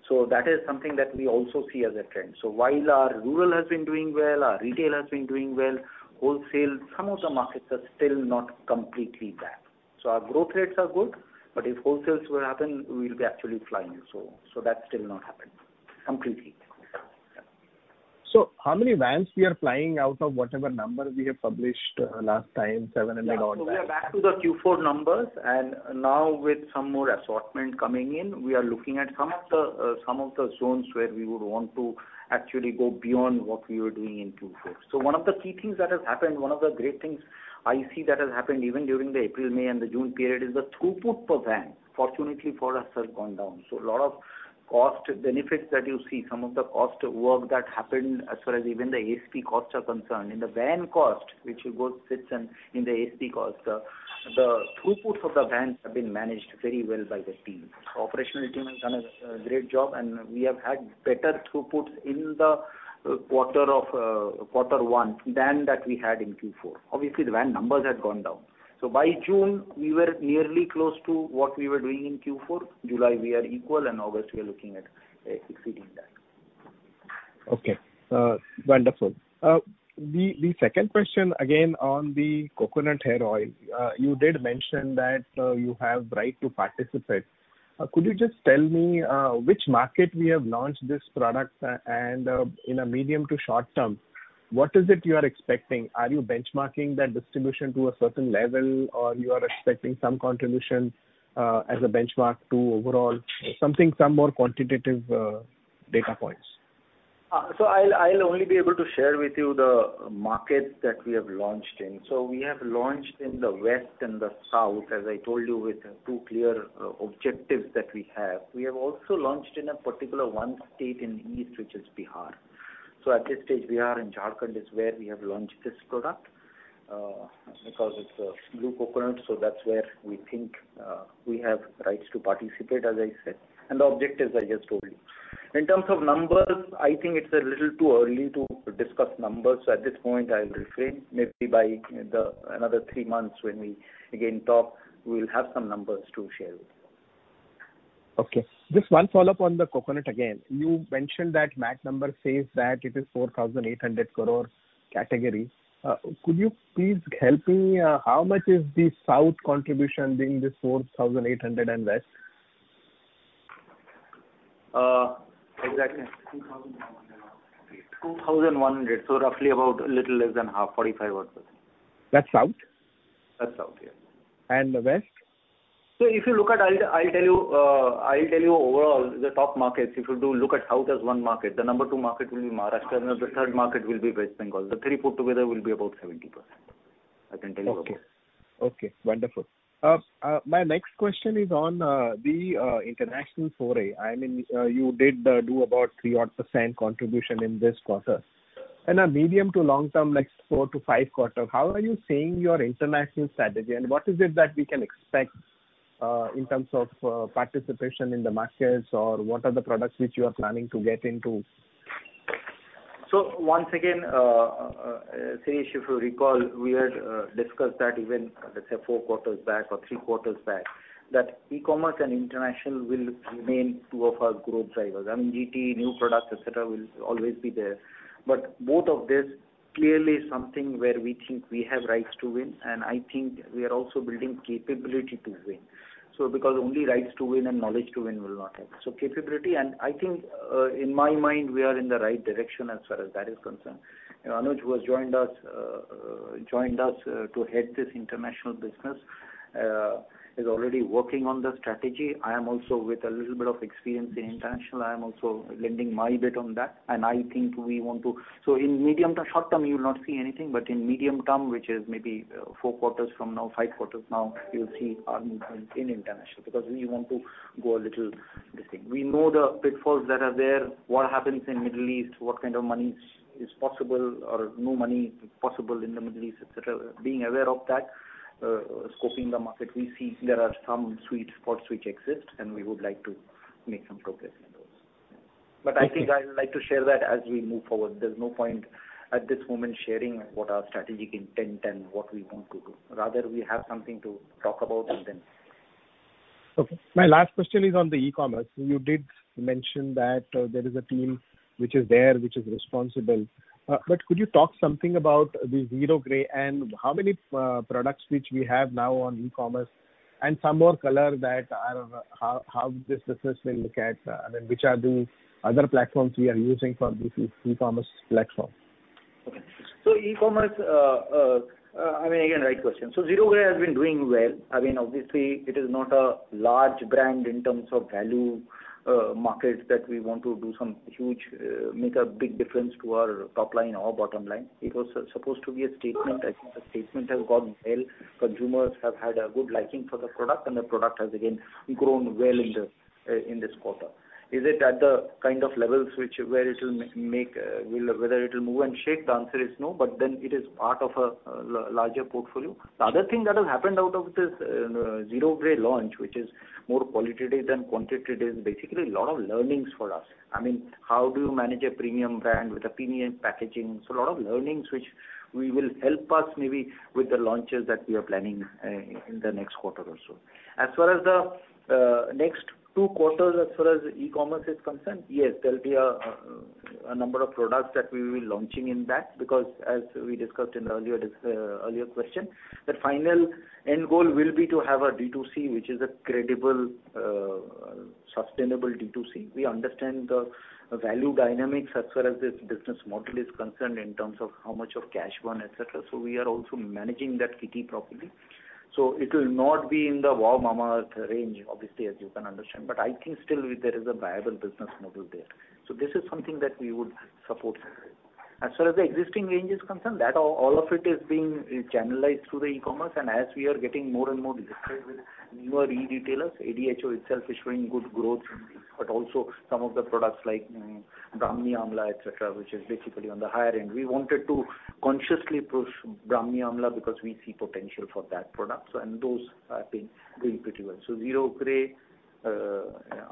That is something that we also see as a trend. While our rural has been doing well, our retail has been doing well, wholesale, some of the markets are still not completely back. Our growth rates are good, but if wholesales were to happen, we'll be actually flying. That's still not happened completely. Yeah. How many vans we are flying out of whatever number we have published last time, seven and a odd vans? We are back to the Q4 numbers, and now with some more assortment coming in, we are looking at some of the zones where we would want to actually go beyond what we were doing in Q4. One of the key things that has happened, one of the great things I see that has happened even during the April, May, and the June period is the throughput per van, fortunately for us, has gone down. A lot of cost benefits that you see, some of the cost work that happened as far as even the ASP costs are concerned. In the van cost, which sits in the ASP cost, the throughput of the vans have been managed very well by the team. Operational team has done a great job, and we have had better throughput in the Q1 than that we had in Q4. Obviously, the van numbers had gone down. By June, we were nearly close to what we were doing in Q4. July, we are equal. August, we are looking at exceeding that. Okay. Wonderful. The second question, again, on the coconut hair oil. You did mention that you have right to participate. Could you just tell me which market we have launched this product? In a medium to short term, what is it you are expecting? Are you benchmarking that distribution to a certain level, or you are expecting some contribution as a benchmark to overall, some more quantitative data points? I'll only be able to share with you the markets that we have launched in. We have launched in the west and the south, as I told you, with two clear objectives that we have. We have also launched in a particular one state in the east, which is Bihar. At this stage, Bihar and Jharkhand is where we have launched this product, because it's a blue coconut, that's where we think we have rights to participate, as I said, and the objectives I just told you. In terms of numbers, I think it's a little too early to discuss numbers, at this point I'll refrain. Maybe by another three months when we again talk, we'll have some numbers to share with you. Okay. Just one follow-up on the coconut again. You mentioned that MAT number says that it is 4,800 crore category. Could you please help me, how much is the south contribution in this 4,800 and net? Exactly. 2,100. Roughly about a little less than half, 45 odd %. That's south? That's south, yeah. The west? If you look at, I'll tell you overall the top markets, if you look at south as one market, the number two market will be Maharashtra, and the third market will be West Bengal. The threevput together will be about 70%. Okay. Wonderful. My next question is on the international foray. You did do about 3% odd contribution in this quarter. In a medium to long term, like four to five quarter, how are you seeing your international strategy? What is it that we can expect in terms of participation in the markets, or what are the products which you are planning to get into? Once again, Shirish if you recall, we had discussed that even, let's say, four quarters back or three quarters back, that e-commerce and international will remain two of our growth drivers. MT, new products, et cetera, will always be there. Both of this clearly is something where we think we have rights to win, and I think we are also building capability to win. Because only rights to win and knowledge to win will not help. Capability, and I think, in my mind, we are in the right direction as far as that is concerned. Anuj, who has joined us to head this international business, is already working on the strategy. I am also with a little bit of experience in international. I am also lending my bit on that. I think we want to. In short term, you will not see anything, but in medium term, which is maybe four quarters from now, five quarters now, you will see our movement in international, because we want to go a little this thing. We know the pitfalls that are there, what happens in Middle East, what kind of money is possible or no money possible in the Middle East, et cetera. Being aware of that, scoping the market, we see there are some sweet spots which exist. We would like to make some progress in those. I think I will like to share that as we move forward. There is no point at this moment sharing what our strategic intent and what we want to do. Rather, we have something to talk about and then Okay. My last question is on the e-commerce. You did mention that there is a team which is there, which is responsible. Could you talk something about the Zero Grey and how many products which we have now on e-commerce and some more color that how this business will look at, which are the other platforms we are using for this e-commerce platform? Okay. E-commerce, again, right question. Zero Grey has been doing well. Obviously, it is not a large brand in terms of value markets that we want to do some huge, make a big difference to our top line or bottom line. It was supposed to be a statement. I think the statement has got well. Consumers have had a good liking for the product, and the product has again grown well in this quarter. Is it at the kind of levels where it'll move and shake? The answer is no. It is part of a larger portfolio. The other thing that has happened out of this Zero Grey launch, which is more qualitative than quantitative, is basically a lot of learnings for us. How do you manage a premium brand with a premium packaging? A lot of learnings which will help us maybe with the launches that we are planning in the next quarter or so. As far as the next two quarters as far as e-commerce is concerned, yes, there'll be a number of products that we'll be launching in that, because as we discussed in the earlier question, the final end goal will be to have a D2C, which is a credible, sustainable D2C. We understand the value dynamics as far as this business model is concerned in terms of how much of cash burn, et cetera. We are also managing that kitty properly. It'll not be in the WOW, Mamaearth range, obviously, as you can understand. I think still there is a viable business model there. This is something that we would support. As far as the existing range is concerned, all of it is being channelized through the e-commerce, and as we are getting more and more registered with newer e-retailers, ADHO itself is showing good growth, but also some of the products like Brahmi Amla, et cetera, which is basically on the higher end. We wanted to consciously push Brahmi Amla because we see potential for that product, and those have been doing pretty well. Zero Grey,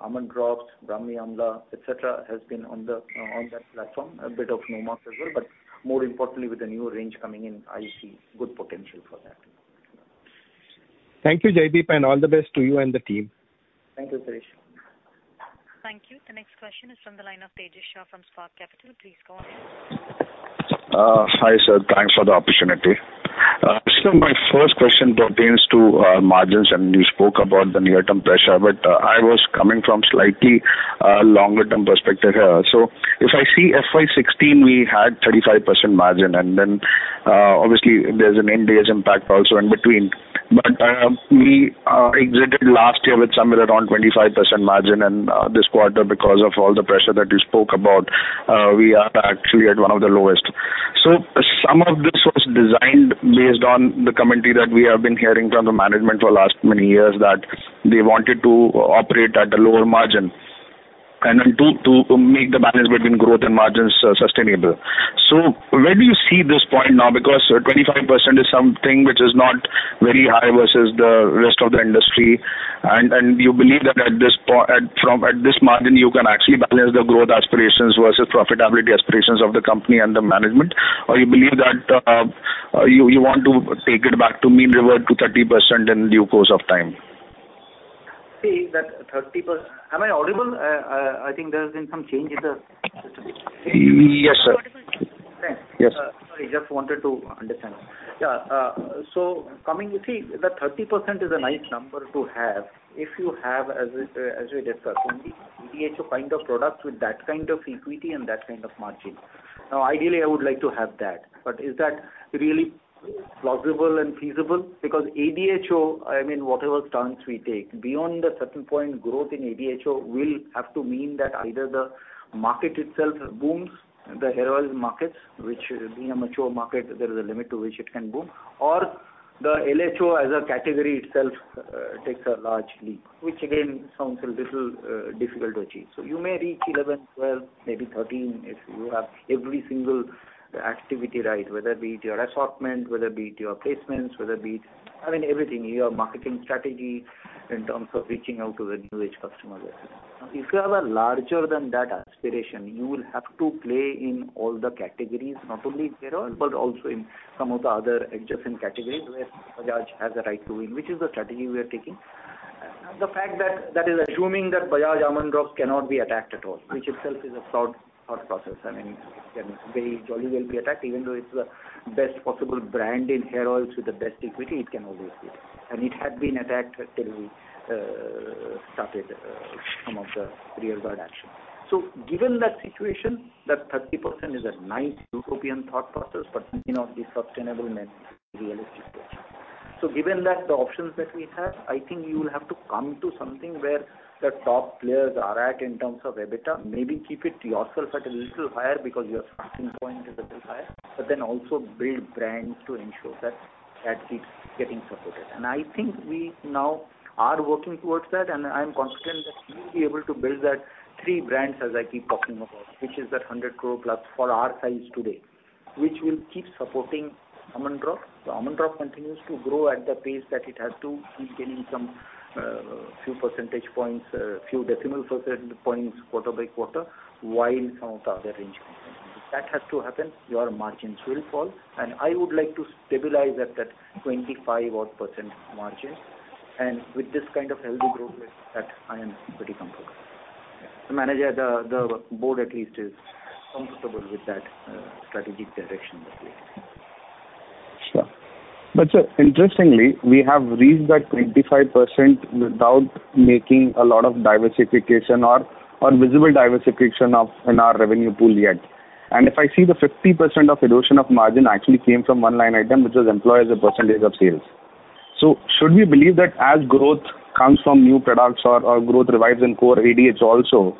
Almond Drops, Brahmi Amla, et cetera, has been on that platform. A bit of Nomarks as well, but more importantly with the newer range coming in, I see good potential for that. Thank you, Jaideep and all the best to you and the team. Thank you, Pardeshi Thank you. The next question is from the line of Tejas Shah from Spark Capital. Please go ahead. Hi, sir. Thanks for the opportunity. Sir, my first question pertains to margins. You spoke about the near-term pressure, I was coming from slightly longer-term perspective here. If I see FY 2016, we had 35% margin. Then obviously there's an impact also in between. We exited last year with somewhere around 25% margin. This quarter, because of all the pressure that you spoke about, we are actually at one of the lowest. Some of this was designed based on the commentary that we have been hearing from the management for last many years, that they wanted to operate at a lower margin. Then to make the balance between growth and margins sustainable. Where do you see this point now? Because 25% is something which is not very high versus the rest of the industry. You believe that at this margin, you can actually balance the growth aspirations versus profitability aspirations of the company and the management? You believe that you want to take it back to mean revert to 30% in due course of time? See that 30%. Am I audible? I think there's been some change in the system. Yes, sir. Sorry. I just wanted to understand. Yeah. Coming, you see that 30% is a nice number to have if you have, as we discussed, only ADHO kind of products with that kind of equity and that kind of margin. Ideally, I would like to have that, but is that really plausible and feasible? ADHO, whatever stance we take, beyond a certain point, growth in ADHO will have to mean that either the market itself booms, the hair oils markets, which being a mature market, there is a limit to which it can boom, or the LHO as a category itself takes a large leap, which again sounds a little difficult to achieve. You may reach 11%, 12%, maybe 13% if you have every single activity right, whether it be your assortment, whether it be your placements, whether it be everything, your marketing strategy in terms of reaching out to the new age customers. If you have a larger than that aspiration, you will have to play in all the categories, not only hair oil, but also in some of the other adjacent categories where Bajaj has a right to win, which is the strategy we are taking. The fact that is assuming that Bajaj Almond Drops cannot be attacked at all, which itself is a thought process. It very jolly well be attacked, even though it's the best possible brand in hair oils with the best equity, it can always be. It had been attacked till we started some of the rear guard action. Given that situation, that 30% is a nice utopian thought process, may not be sustainable and realistic approach. Given that the options that we have, I think you will have to come to something where the top players are at in terms of EBITDA, maybe keep it yourself at a little higher because your starting point is a little higher, also build brands to ensure that keeps getting supported. I think we now are working towards that, I'm confident that we will be able to build that three brands as I keep talking about, which is that 100 crore plus for our size today. Which will keep supporting Almond Drops. Almond Drops continues to grow at the pace that it has to keep gaining some few percentage points, few decimal percentage points quarter by quarter, while some of the other range companies. If that has to happen, your margins will fall, I would like to stabilize at that 25 odd percent margin. With this kind of healthy growth rate that I am pretty comfortable. The board at least is comfortable with that strategic direction that we have. Sir, interestingly, we have reached that 25% without making a lot of diversification or visible diversification in our revenue pool yet. If I see the 50% of erosion of margin actually came from 1 line item, which was employee as a percentage of sales. Should we believe that as growth comes from new products or growth revives in core ADHO also,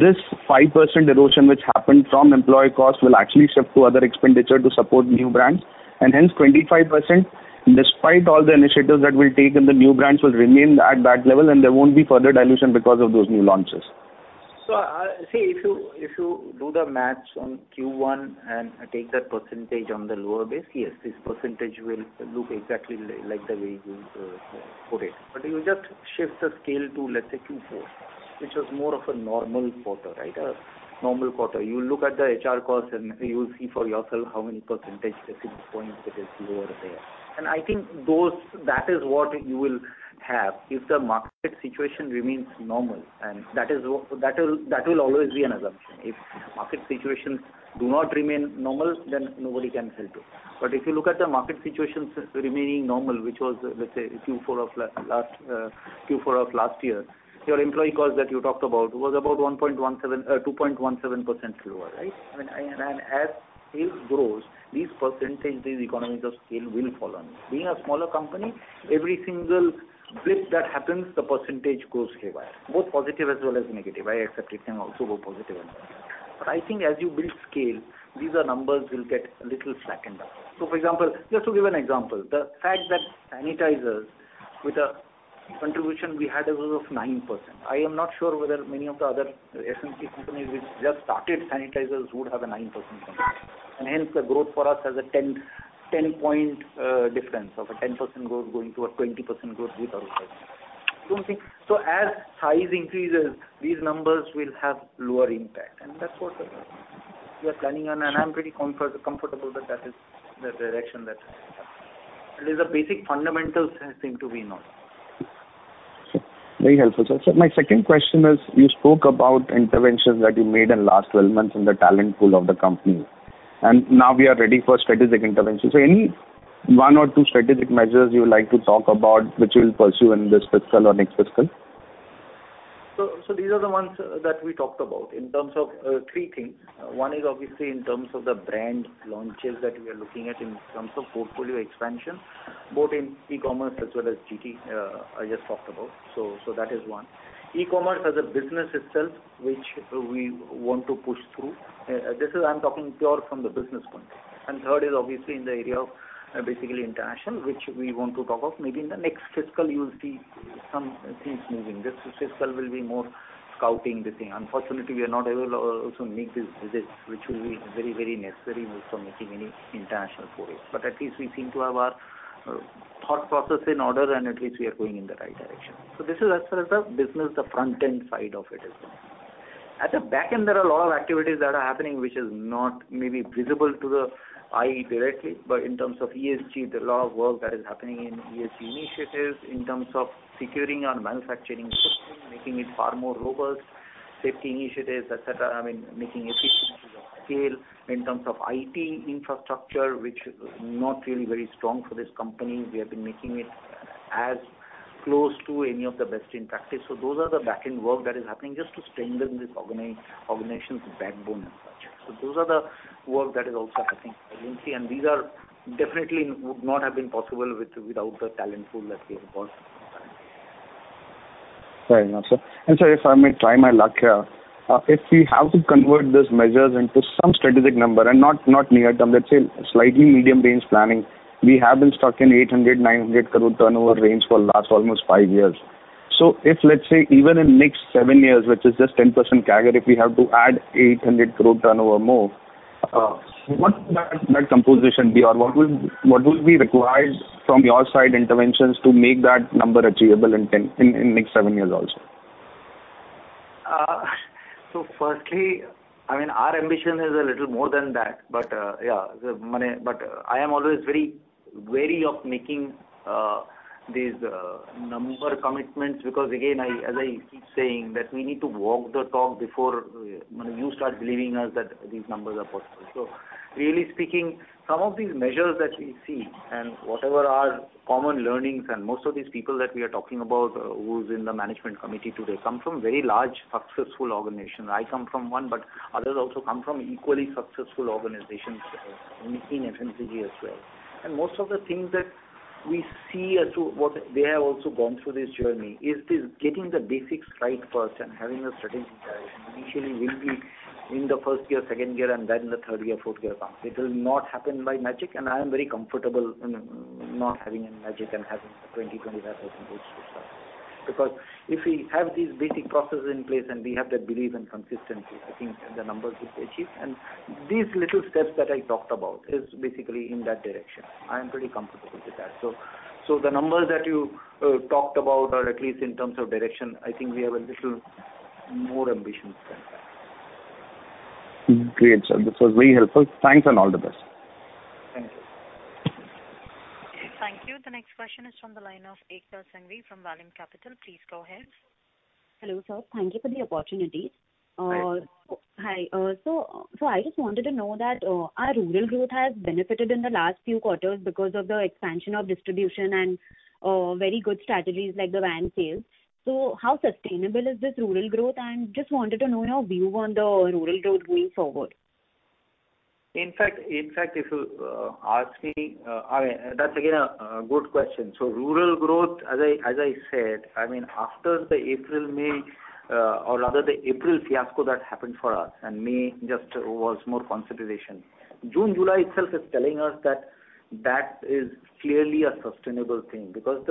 this 5% erosion which happened from employee cost will actually shift to other expenditure to support new brands, hence 25%, despite all the initiatives that we take in the new brands will remain at that level and there won't be further dilution because of those new launches. See, if you do the maths on Q1 and take that percentage on the lower base, yes, this percentage will look exactly like the way you put it. You just shift the scale to, let's say, Q4, which was more of a normal quarter. You look at the HR costs and you will see for yourself how many percentage points it is lower there. I think that is what you will have if the market situation remains normal, and that will always be an assumption. If market situations do not remain normal, then nobody can help you. If you look at the market situations remaining normal, which was, let's say Q4 of last year, your employee cost that you talked about was about 2.17% lower, right? As sales grows, these percentages, economies of scale will follow. Being a smaller company, every single blip that happens, the percentage goes haywire, both positive as well as negative. I accept it can also go positive and negative. I think as you build scale, these numbers will get a little flattened out. Just to give an example, the fact that sanitizers with a contribution we had was of 9%. I am not sure whether many of the other FMCG companies which just started sanitizers would have a 9% contribution, the growth for us has a 10-point difference of a 10% growth going to a 20% growth without sanitizers. As size increases, these numbers will have lower impact. That's what we are planning on. I'm pretty comfortable that is the direction that these basic fundamentals seem to be in order. Very helpful, sir. My second question is, you spoke about interventions that you made in last 12 months in the talent pool of the company, and now we are ready for strategic interventions. Any one or two strategic measures you would like to talk about which you'll pursue in this fiscal or next fiscal? These are the ones that we talked about in terms of three things. One is obviously in terms of the brand launches that we are looking at in terms of portfolio expansion, both in e-commerce as well as GT, I just talked about. That is one. e-commerce as a business itself, which we want to push through. This is, I am talking pure from the business point. Third is obviously in the area of basically international, which we want to talk of. Maybe in the next fiscal you will see some things moving. This fiscal will be more scouting the thing. Unfortunately, we are not able also make these visits, which will be very necessary for making any international forays. At least we seem to have our thought process in order, and at least we are going in the right direction. This is as far as the business, the front-end side of it is concerned. At the back end, there are a lot of activities that are happening which is not maybe visible to the eye directly, but in terms of ESG, there are a lot of work that is happening in ESG initiatives, in terms of securing our manufacturing systems, making it far more robust, safety initiatives, et cetera. I mean, making efficient use of scale. In terms of IT infrastructure, which is not really very strong for this company, we have been making it as close to any of the best in practice. Those are the back-end work that is happening just to strengthen this organization's backbone and structure. Those are the work that is also happening presently, and these definitely would not have been possible without the talent pool that we have got currently. Fair enough, sir. Sir, if I may try my luck here. If we have to convert these measures into some strategic number and not near-term, let's say slightly medium-range planning. We have been stuck in 800- 900 crore turnover range for last almost five years. If, let's say, even in next seven years, which is just 10% CAGR, if we have to add 800 crore turnover more, what should that composition be? What would be required from your side, interventions to make that number achievable in next seven years also? Firstly, our ambition is a little more than that. I am always very wary of making these number commitments because, again, as I keep saying, that we need to walk the talk before you start believing us that these numbers are possible. Really speaking, some of these measures that we see and whatever our common learnings, and most of these people that we are talking about who's in the management committee today, come from very large, successful organizations. I come from one, but others also come from equally successful organizations in FMCG as well. Most of the things that we see as to what they have also gone through this journey, is this getting the basics right first and having a strategic direction, initially will be in the first year, second year, and then in the third year, fourth year, it comes. It will not happen by magic. I am very comfortable not having any magic and having a 20%-25% growth itself. If we have these basic processes in place and we have that belief and consistency, I think the numbers will be achieved. These little steps that I talked about is basically in that direction. I am pretty comfortable with that. The numbers that you talked about, or at least in terms of direction, I think we have a little more ambitions than that. Great, sir. This was very helpful. Thanks and all the best. Thank you. Thank you. The next question is from the line of Ekta Sanghvi from Vallum Capital. Please go ahead. Hello, sir. Thank you for the opportunity. Hi. Hi. I just wanted to know that our rural growth has benefited in the last few quarters because of the expansion of distribution and very good strategies like the van sales. How sustainable is this rural growth? Just wanted to know your view on the rural growth going forward. In fact, if you ask me, That's again a good question. Rural growth, as I said, after the April fiasco that happened for us, and May just was more consolidation. June, July itself is telling us that is clearly a sustainable thing, because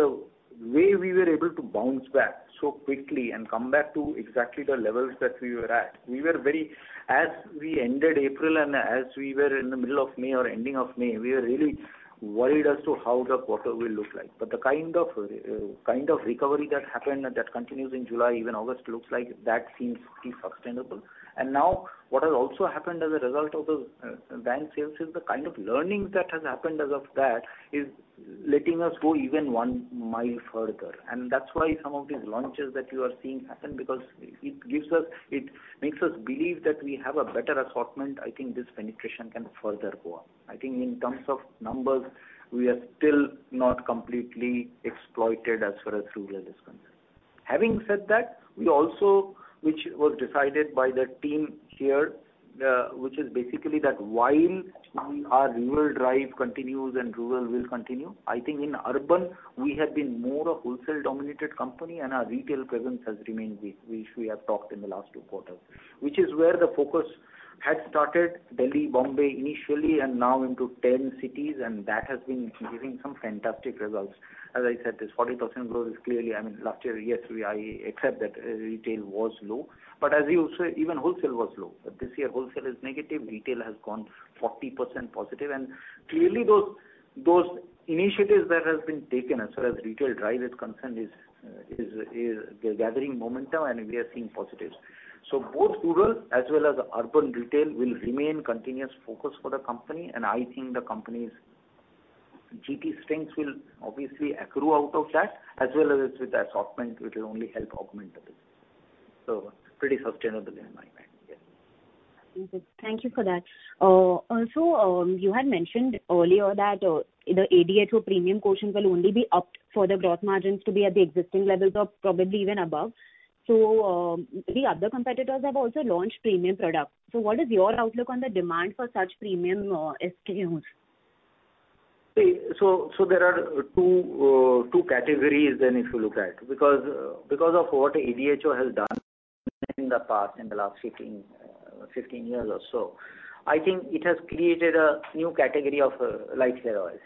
the way we were able to bounce back so quickly and come back to exactly the levels that we were at. As we ended April and as we were in the middle of May or ending of May, we were really worried as to how the quarter will look like. The kind of recovery that happened, that continues in July, even August, looks like that seems to be sustainable. Now what has also happened as a result of the van sales is the kind of learnings that has happened as of that, is letting us go even one mile further. That's why some of these launches that you are seeing happen because it makes us believe that we have a better assortment. I think this penetration can further go up. I think in terms of numbers, we are still not completely exploited as far as rural is concerned. Having said that, we also, which was decided by the team here, which is basically that while our rural drive continues and rural will continue, I think in urban, we have been more a wholesale-dominated company, and our retail presence has remained weak, which we have talked in the last two quarters. Which is where the focus had started Delhi, Mumbai initially, and now into 10 cities, and that has been giving some fantastic results. As I said, this 40% growth is clearly, last year, yes, I accept that retail was low, but as you say, even wholesale was low. This year, wholesale is negative, retail has gone 40% positive, and clearly those initiatives that have been taken as far as retail drive is concerned is gathering momentum, and we are seeing positives. Both rural as well as urban retail will remain continuous focus for the company, and I think the company's GT strength will obviously accrue out of that, as well as with the assortment, which will only help augment a bit. Pretty sustainable in my mind. Yes. Thank you for that. Also, you had mentioned earlier that the ADHO premium quotient will only be upped for the growth margins to be at the existing levels or probably even above. The other competitors have also launched premium products. What is your outlook on the demand for such premium SKUs? There are two categories then if you look at, because of what ADHO has done in the past, in the last 15 years or so. I think it has created a new category of light hair oils.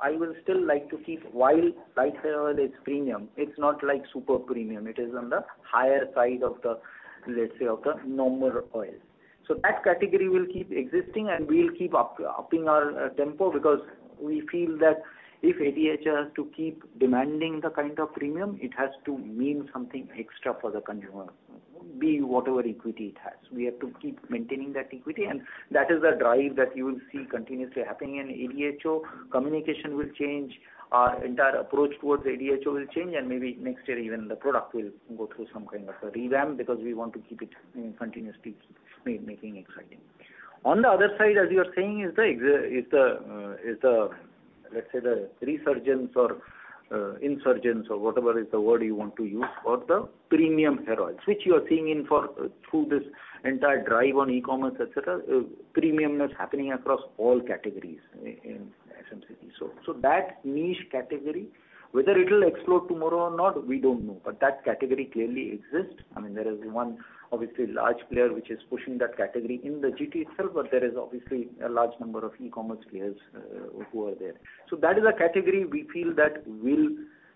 I will still like to keep, while light hair oil is premium, it's not like super premium. It is on the higher side of the, let's say, of the normal oils. That category will keep existing, and we'll keep upping our tempo because we feel that if ADHO has to keep demanding the kind of premium, it has to mean something extra for the consumer, be whatever equity it has. We have to keep maintaining that equity, and that is the drive that you will see continuously happening in ADHO. Communication will change. Our entire approach towards ADHO will change, and maybe next year even the product will go through some kind of a revamp because we want to keep it continuously making exciting. On the other side, as you are saying, is the, let's say, the resurgence or insurgence or whatever is the word you want to use for the premium hair oils, which you are seeing through this entire drive on e-commerce, et cetera, premiumness happening across all categories in FMCG. That niche category, whether it will explode tomorrow or not, we don't know. That category clearly exists. There is one obviously large player which is pushing that category in the GT itself, but there is obviously a large number of e-commerce players who are there. That is a category we feel that will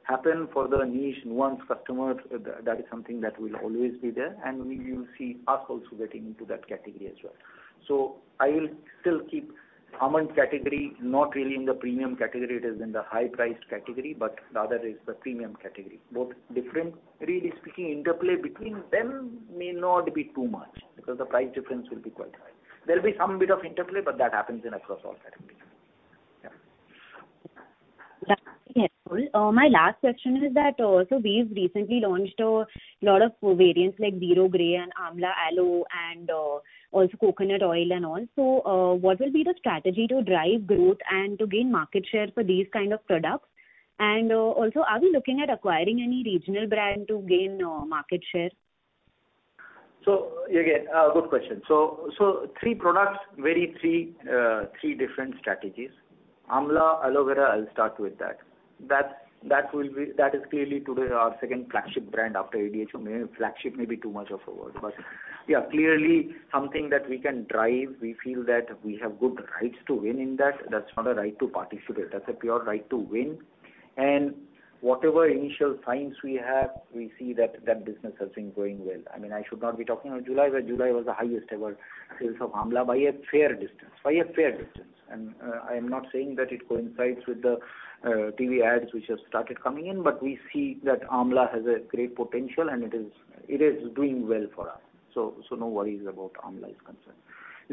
happen for the niche nuanced customers. That is something that will always be there, and you will see us also getting into that category as well. I will still keep almond category not really in the premium category. It is in the high-priced category, but the other is the premium category. Both different. Really speaking, interplay between them may not be too much because the price difference will be quite high. There'll be some bit of interplay, but that happens across all categories. Yeah. That's helpful. My last question is that, we've recently launched a lot of variants like Zero Grey and Amla Aloe and also Coconut Oil and all. What will be the strategy to drive growth and to gain market share for these kind of products? Are we looking at acquiring any regional brand to gain market share? Again, good question. Three products, very three different strategies. Amla Aloe Vera, I'll start with that. That is clearly today our second flagship brand after ADHO. Flagship may be too much of a word, but yeah, clearly something that we can drive. We feel that we have good rights to win in that. That's not a right to participate. That's a pure right to win. Whatever initial signs we have, we see that that business has been going well. I should not be talking of July, but July was the highest ever sales of Amla by a fair distance. I am not saying that it coincides with the TV ads which have started coming in, but we see that Amla has a great potential, and it is doing well for us. No worries about Amla is concerned.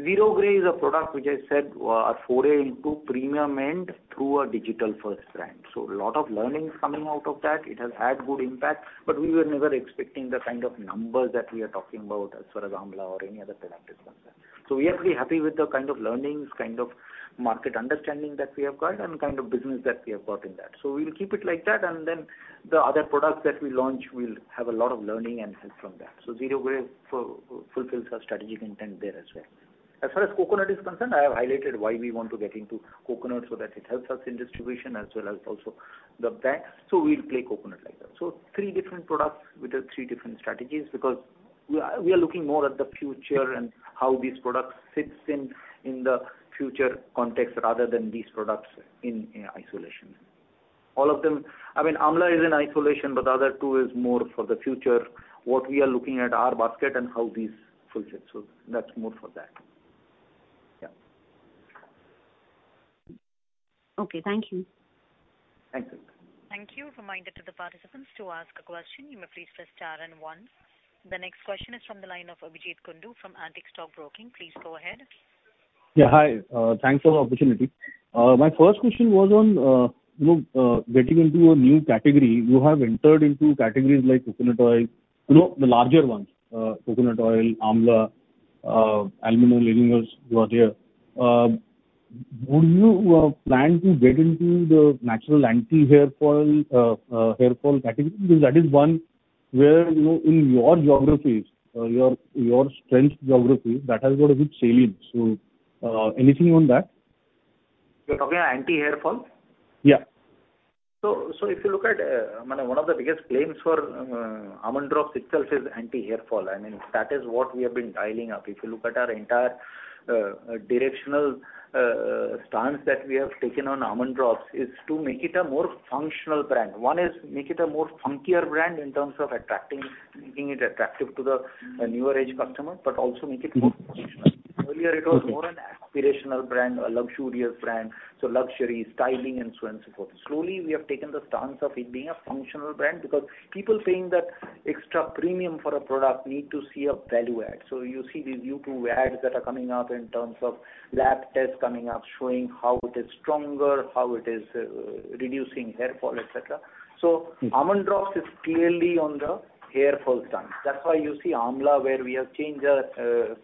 Zero Grey is a product which I said our foray into premium end through a digital-first brand. A lot of learnings coming out of that. It has had good impact, but we were never expecting the kind of numbers that we are talking about as far as Amla or any other product is concerned. We are pretty happy with the kind of learnings, kind of market understanding that we have got, and kind of business that we have got in that. We'll keep it like that, and then the other products that we launch will have a lot of learning and help from that. Zero Grey fulfills our strategic intent there as well. As far as Coconut is concerned, I have highlighted why we want to get into Coconut so that it helps us in distribution as well as also the brand. We'll play Coconut like that. Three different products with the three different strategies because we are looking more at the future and how these products fits in the future context rather than these products in isolation. Amla is in isolation, but the other two is more for the future, what we are looking at our basket and how these fulfill. That's more for that. Yeah. Okay. Thank you. Thanks. Thank you. Reminder to the participants to ask a question, you may please press star and one. The next question is from the line of Abhijeet Kundu from Antique Stock Broking. Please go ahead. Yeah, hi. Thanks for the opportunity. My first question was on getting into a new category. You have entered into categories like coconut oil, the larger ones, coconut oil, amla, almond oil, you have here. Do you plan to get into the natural anti-hair fall category? That is one where in your geographies, your strength geographies, that has got a bit salient. Anything on that? You're talking anti-hair fall? Yeah. If you look at one of the biggest claims for Almond Drops itself is anti-hair fall. I mean, that is what we have been dialing up. If you look at our entire directional stance that we have taken on Almond Drops is to make it a more functional brand. One is make it a funkier brand in terms of making it attractive to the newer age customer, but also make it more functional. Earlier, it was more an aspirational brand, a luxurious brand, so luxury, styling and so on and so forth. Slowly, we have taken the stance of it being a functional brand because people paying that extra premium for a product need to see a value add. You see these YouTube ads that are coming up in terms of lab tests coming up, showing how it is stronger, how it is reducing hair fall, et cetera. Almond Drops is clearly on the hair fall stance. That's why you see Amla, where we have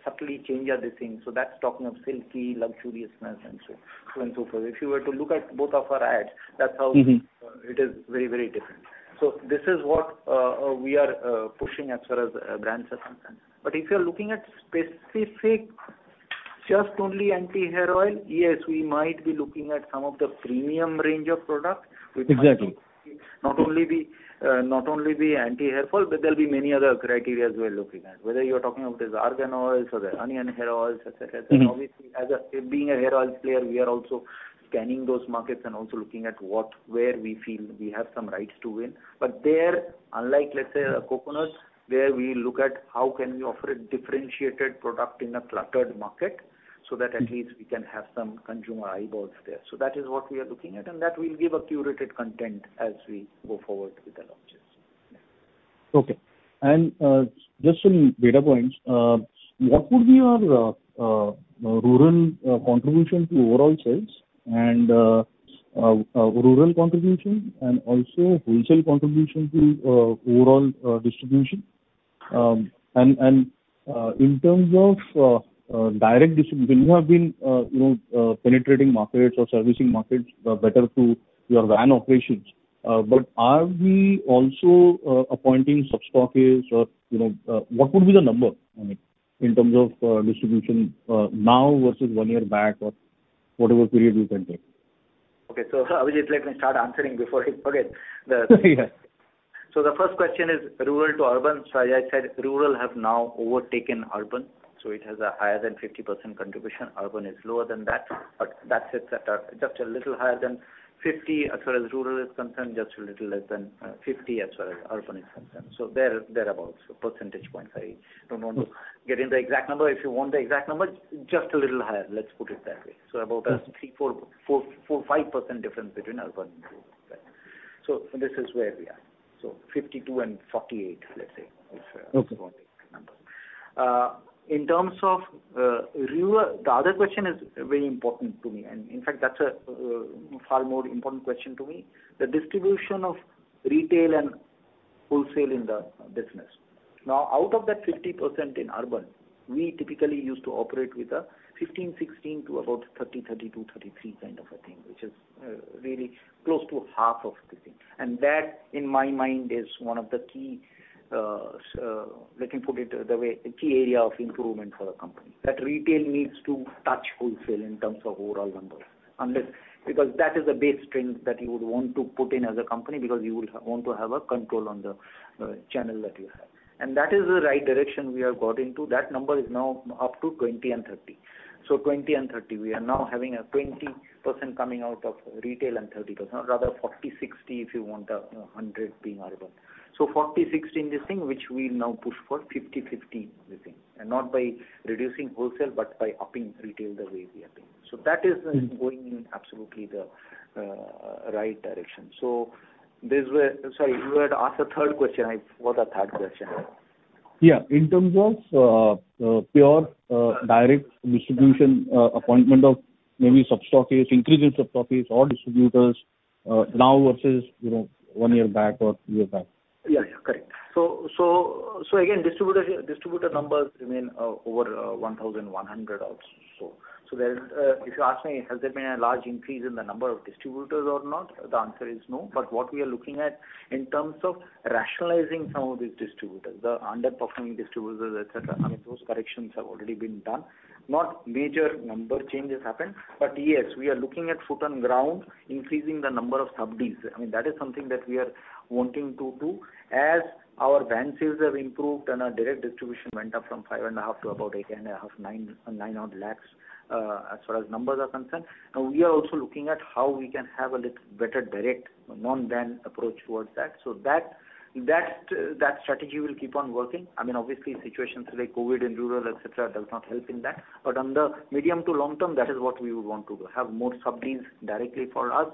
subtly changed the thing. That's talking of silky luxuriousness and so on and so forth. If you were to look at both of our ads, that's how it is very different. This is what we are pushing as far as brands are concerned. If you're looking at specific, just only anti-hair oil, yes, we might be looking at some of the premium range of products which- Exactly not only be anti-hair fall, but there'll be many other criteria as we're looking at. Whether you're talking about these argan oils or the onion hair oils, et cetera. Obviously, being a hair oils player, we are also scanning those markets and also looking at where we feel we have some rights to win. There, unlike, let's say, coconuts, where we look at how can we offer a differentiated product in a cluttered market, so that at least we can have some consumer eyeballs there. That is what we are looking at, and that will give a curated content as we go forward with the launches. Yeah. Okay. Just some data points. What would be your rural contribution to overall sales, and rural contribution and also wholesale contribution to overall distribution? In terms of direct distribution, you have been penetrating markets or servicing markets better through your van operations. Are we also appointing sub-stockies, or what would be the number in terms of distribution now versus 1 year back, or whatever period you can take? Okay. Abhijeet, let me start answering before I forget. Yeah. The first question is rural to urban. As I said, rural have now overtaken urban, so it has a higher than 50% contribution. Urban is lower than that, but that's it. Just a little higher than 50 as far as rural is concerned, just a little less than 50 as far as urban is concerned. Thereabout. Percentage points. I don't want to get into the exact number. If you want the exact numbers, just a little higher, let's put it that way. About a 3%, 4%, 5% difference between urban and rural. This is where we are. 52 and 48, let's say, if you want the exact number. Okay. The other question is very important to me. In fact, that's a far more important question to me. The distribution of retail and wholesale in the business. Out of that 50% in urban, we typically used to operate with a 15%, 16% to about 30%, 32%, 33% kind of a thing, which is really close to half of the thing. That, in my mind, is one of the, let me put it the way, key area of improvement for the company. That retail needs to touch wholesale in terms of overall numbers. That is a base strength that you would want to put in as a company because you would want to have a control on the channel that you have. That is the right direction we have got into. That number is now up to 20% and 30%. So 20% and 30%. We are now having a 20% coming out of retail and 30%, or rather 40/60, if you want 100 being urban. 40/60 in this thing, which we now push for 50/50. Not by reducing wholesale, but by upping retail the way we are doing. That is going in absolutely the right direction. Sorry, you had asked a third question. What's the third question? Yeah. In terms of pure direct distribution, appointment of maybe sub-stockies, increasing sub-stockies or distributors now versus one year back or two years back. Yeah. Correct. Again, distributor numbers remain over 1,100 or so. If you ask me, has there been a large increase in the number of distributors or not? The answer is no. What we are looking at in terms of rationalizing some of these distributors, the underperforming distributors, et cetera. I mean, those corrections have already been done. Not major number changes happened. Yes, we are looking at foot on ground, increasing the number of sub deals. That is something that we are wanting to do as our van sales have improved and our direct distribution went up from 5.5 to about 8.5, 9 odd lakhs, as far as numbers are concerned. We are also looking at how we can have a little better direct non-van approach towards that. That strategy will keep on working. Obviously, situations like COVID and rural, et cetera, does not help in that. On the medium to long term, that is what we would want to do. Have more sub deals directly for us,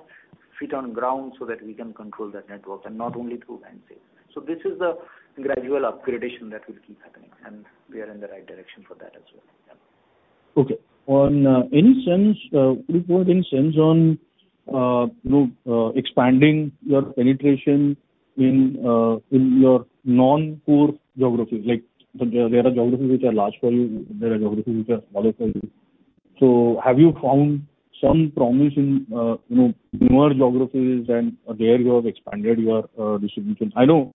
feet on ground so that we can control that network, and not only through van sales. This is a gradual upgradation that will keep happening, and we are in the right direction for that as well. Yeah. Okay. Any sense on expanding your penetration in your non-core geographies? There are geographies which are large for you, there are geographies which are smaller for you. Have you found some promise in newer geographies and there you have expanded your distribution? I know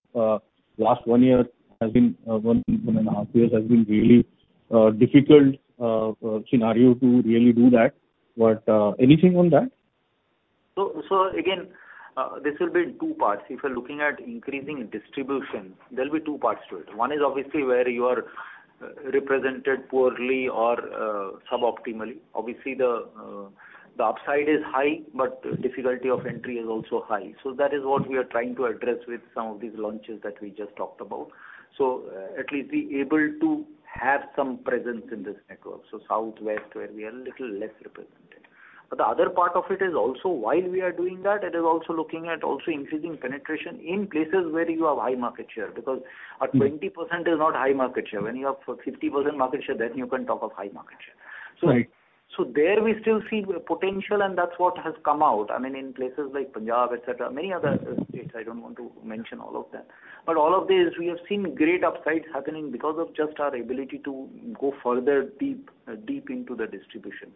last one year, one and a half years, has been really a difficult scenario to really do that. Anything on that? Again, this will be in two parts. If you're looking at increasing distribution, there'll be two parts to it. One is obviously where you are represented poorly or suboptimally. Obviously, the upside is high, but the difficulty of entry is also high. That is what we are trying to address with some of these launches that we just talked about. At least be able to have some presence in this network. Southwest, where we are a little less represented. The other part of it is also while we are doing that, it is also looking at also increasing penetration in places where you have high market share, because at 20% is not high market share. When you have 50% market share, then you can talk of high market share. Right. There we still see potential, and that's what has come out. In places like Punjab, et cetera, many other states, I don't want to mention all of them. All of these, we have seen great upsides happening because of just our ability to go further deep into the distribution,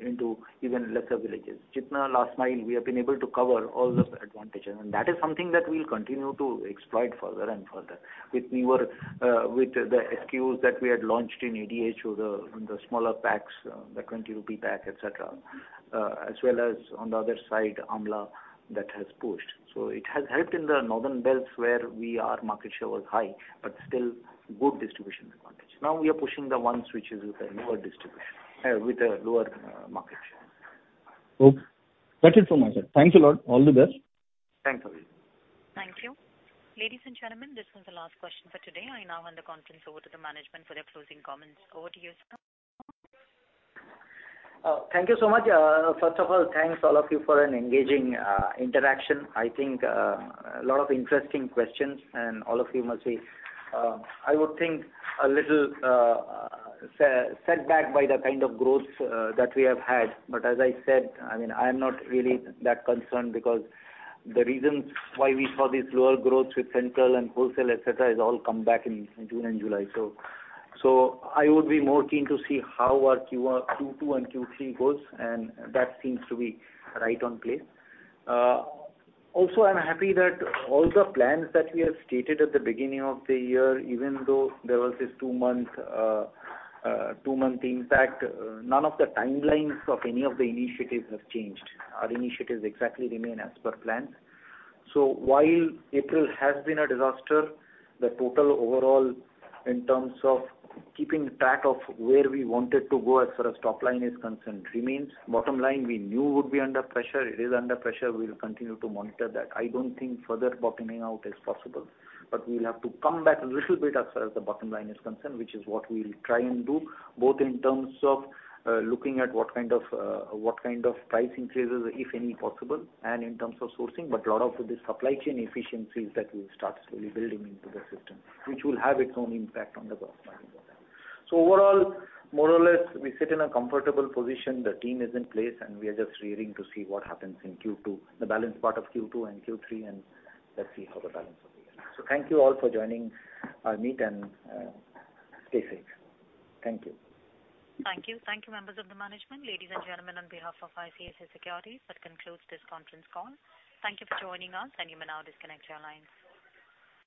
into even lesser villages. Last mile we have been able to cover all those advantages. That is something that we'll continue to exploit further and further. With the SKUs that we had launched in ADHO or the smaller packs, the 20 rupee pack, et cetera, as well as on the other side, Amla, that has pushed. It has helped in the northern belts where our market share was high, but still good distribution advantage. Now we are pushing the ones which is with a lower market share. Okay. That's it from my side. Thanks a lot. All the best. Thanks, Abhijeet. Thank you. Ladies and gentlemen, this was the last question for today. I now hand the conference over to the management for their closing comments. Over to you, sir. Thank you so much. First of all, thanks all of you for an engaging interaction. I think a lot of interesting questions, all of you must be, I would think, a little set back by the kind of growth that we have had. As I said, I am not really that concerned because the reasons why we saw this lower growth with central and wholesale, et cetera, has all come back in June and July. I would be more keen to see how our Q2 and Q3 goes, that seems to be right on place. Also, I'm happy that all the plans that we have stated at the beginning of the year, even though there was this two-month impact, none of the timelines of any of the initiatives have changed. Our initiatives exactly remain as per plans. While April has been a disaster, the total overall in terms of keeping track of where we wanted to go as far as top line is concerned remains. Bottom line, we knew would be under pressure. It is under pressure. We will continue to monitor that. I don't think further bottoming out is possible, but we'll have to come back a little bit as far as the bottom line is concerned, which is what we will try and do, both in terms of looking at what kind of price increases, if any possible, and in terms of sourcing, but lot of this supply chain efficiencies that we will start slowly building into the system, which will have its own impact on the bottom line. Overall, more or less, we sit in a comfortable position. The team is in place, we are just rearing to see what happens in the balance part of Q2 and Q3, let's see how the balance of the year. Thank you all for joining our meet, stay safe. Thank you. Thank you. Thank you, members of the management. Ladies and gentlemen, on behalf of ICICI Securities, that concludes this conference call. Thank you for joining us, and you may now disconnect your lines.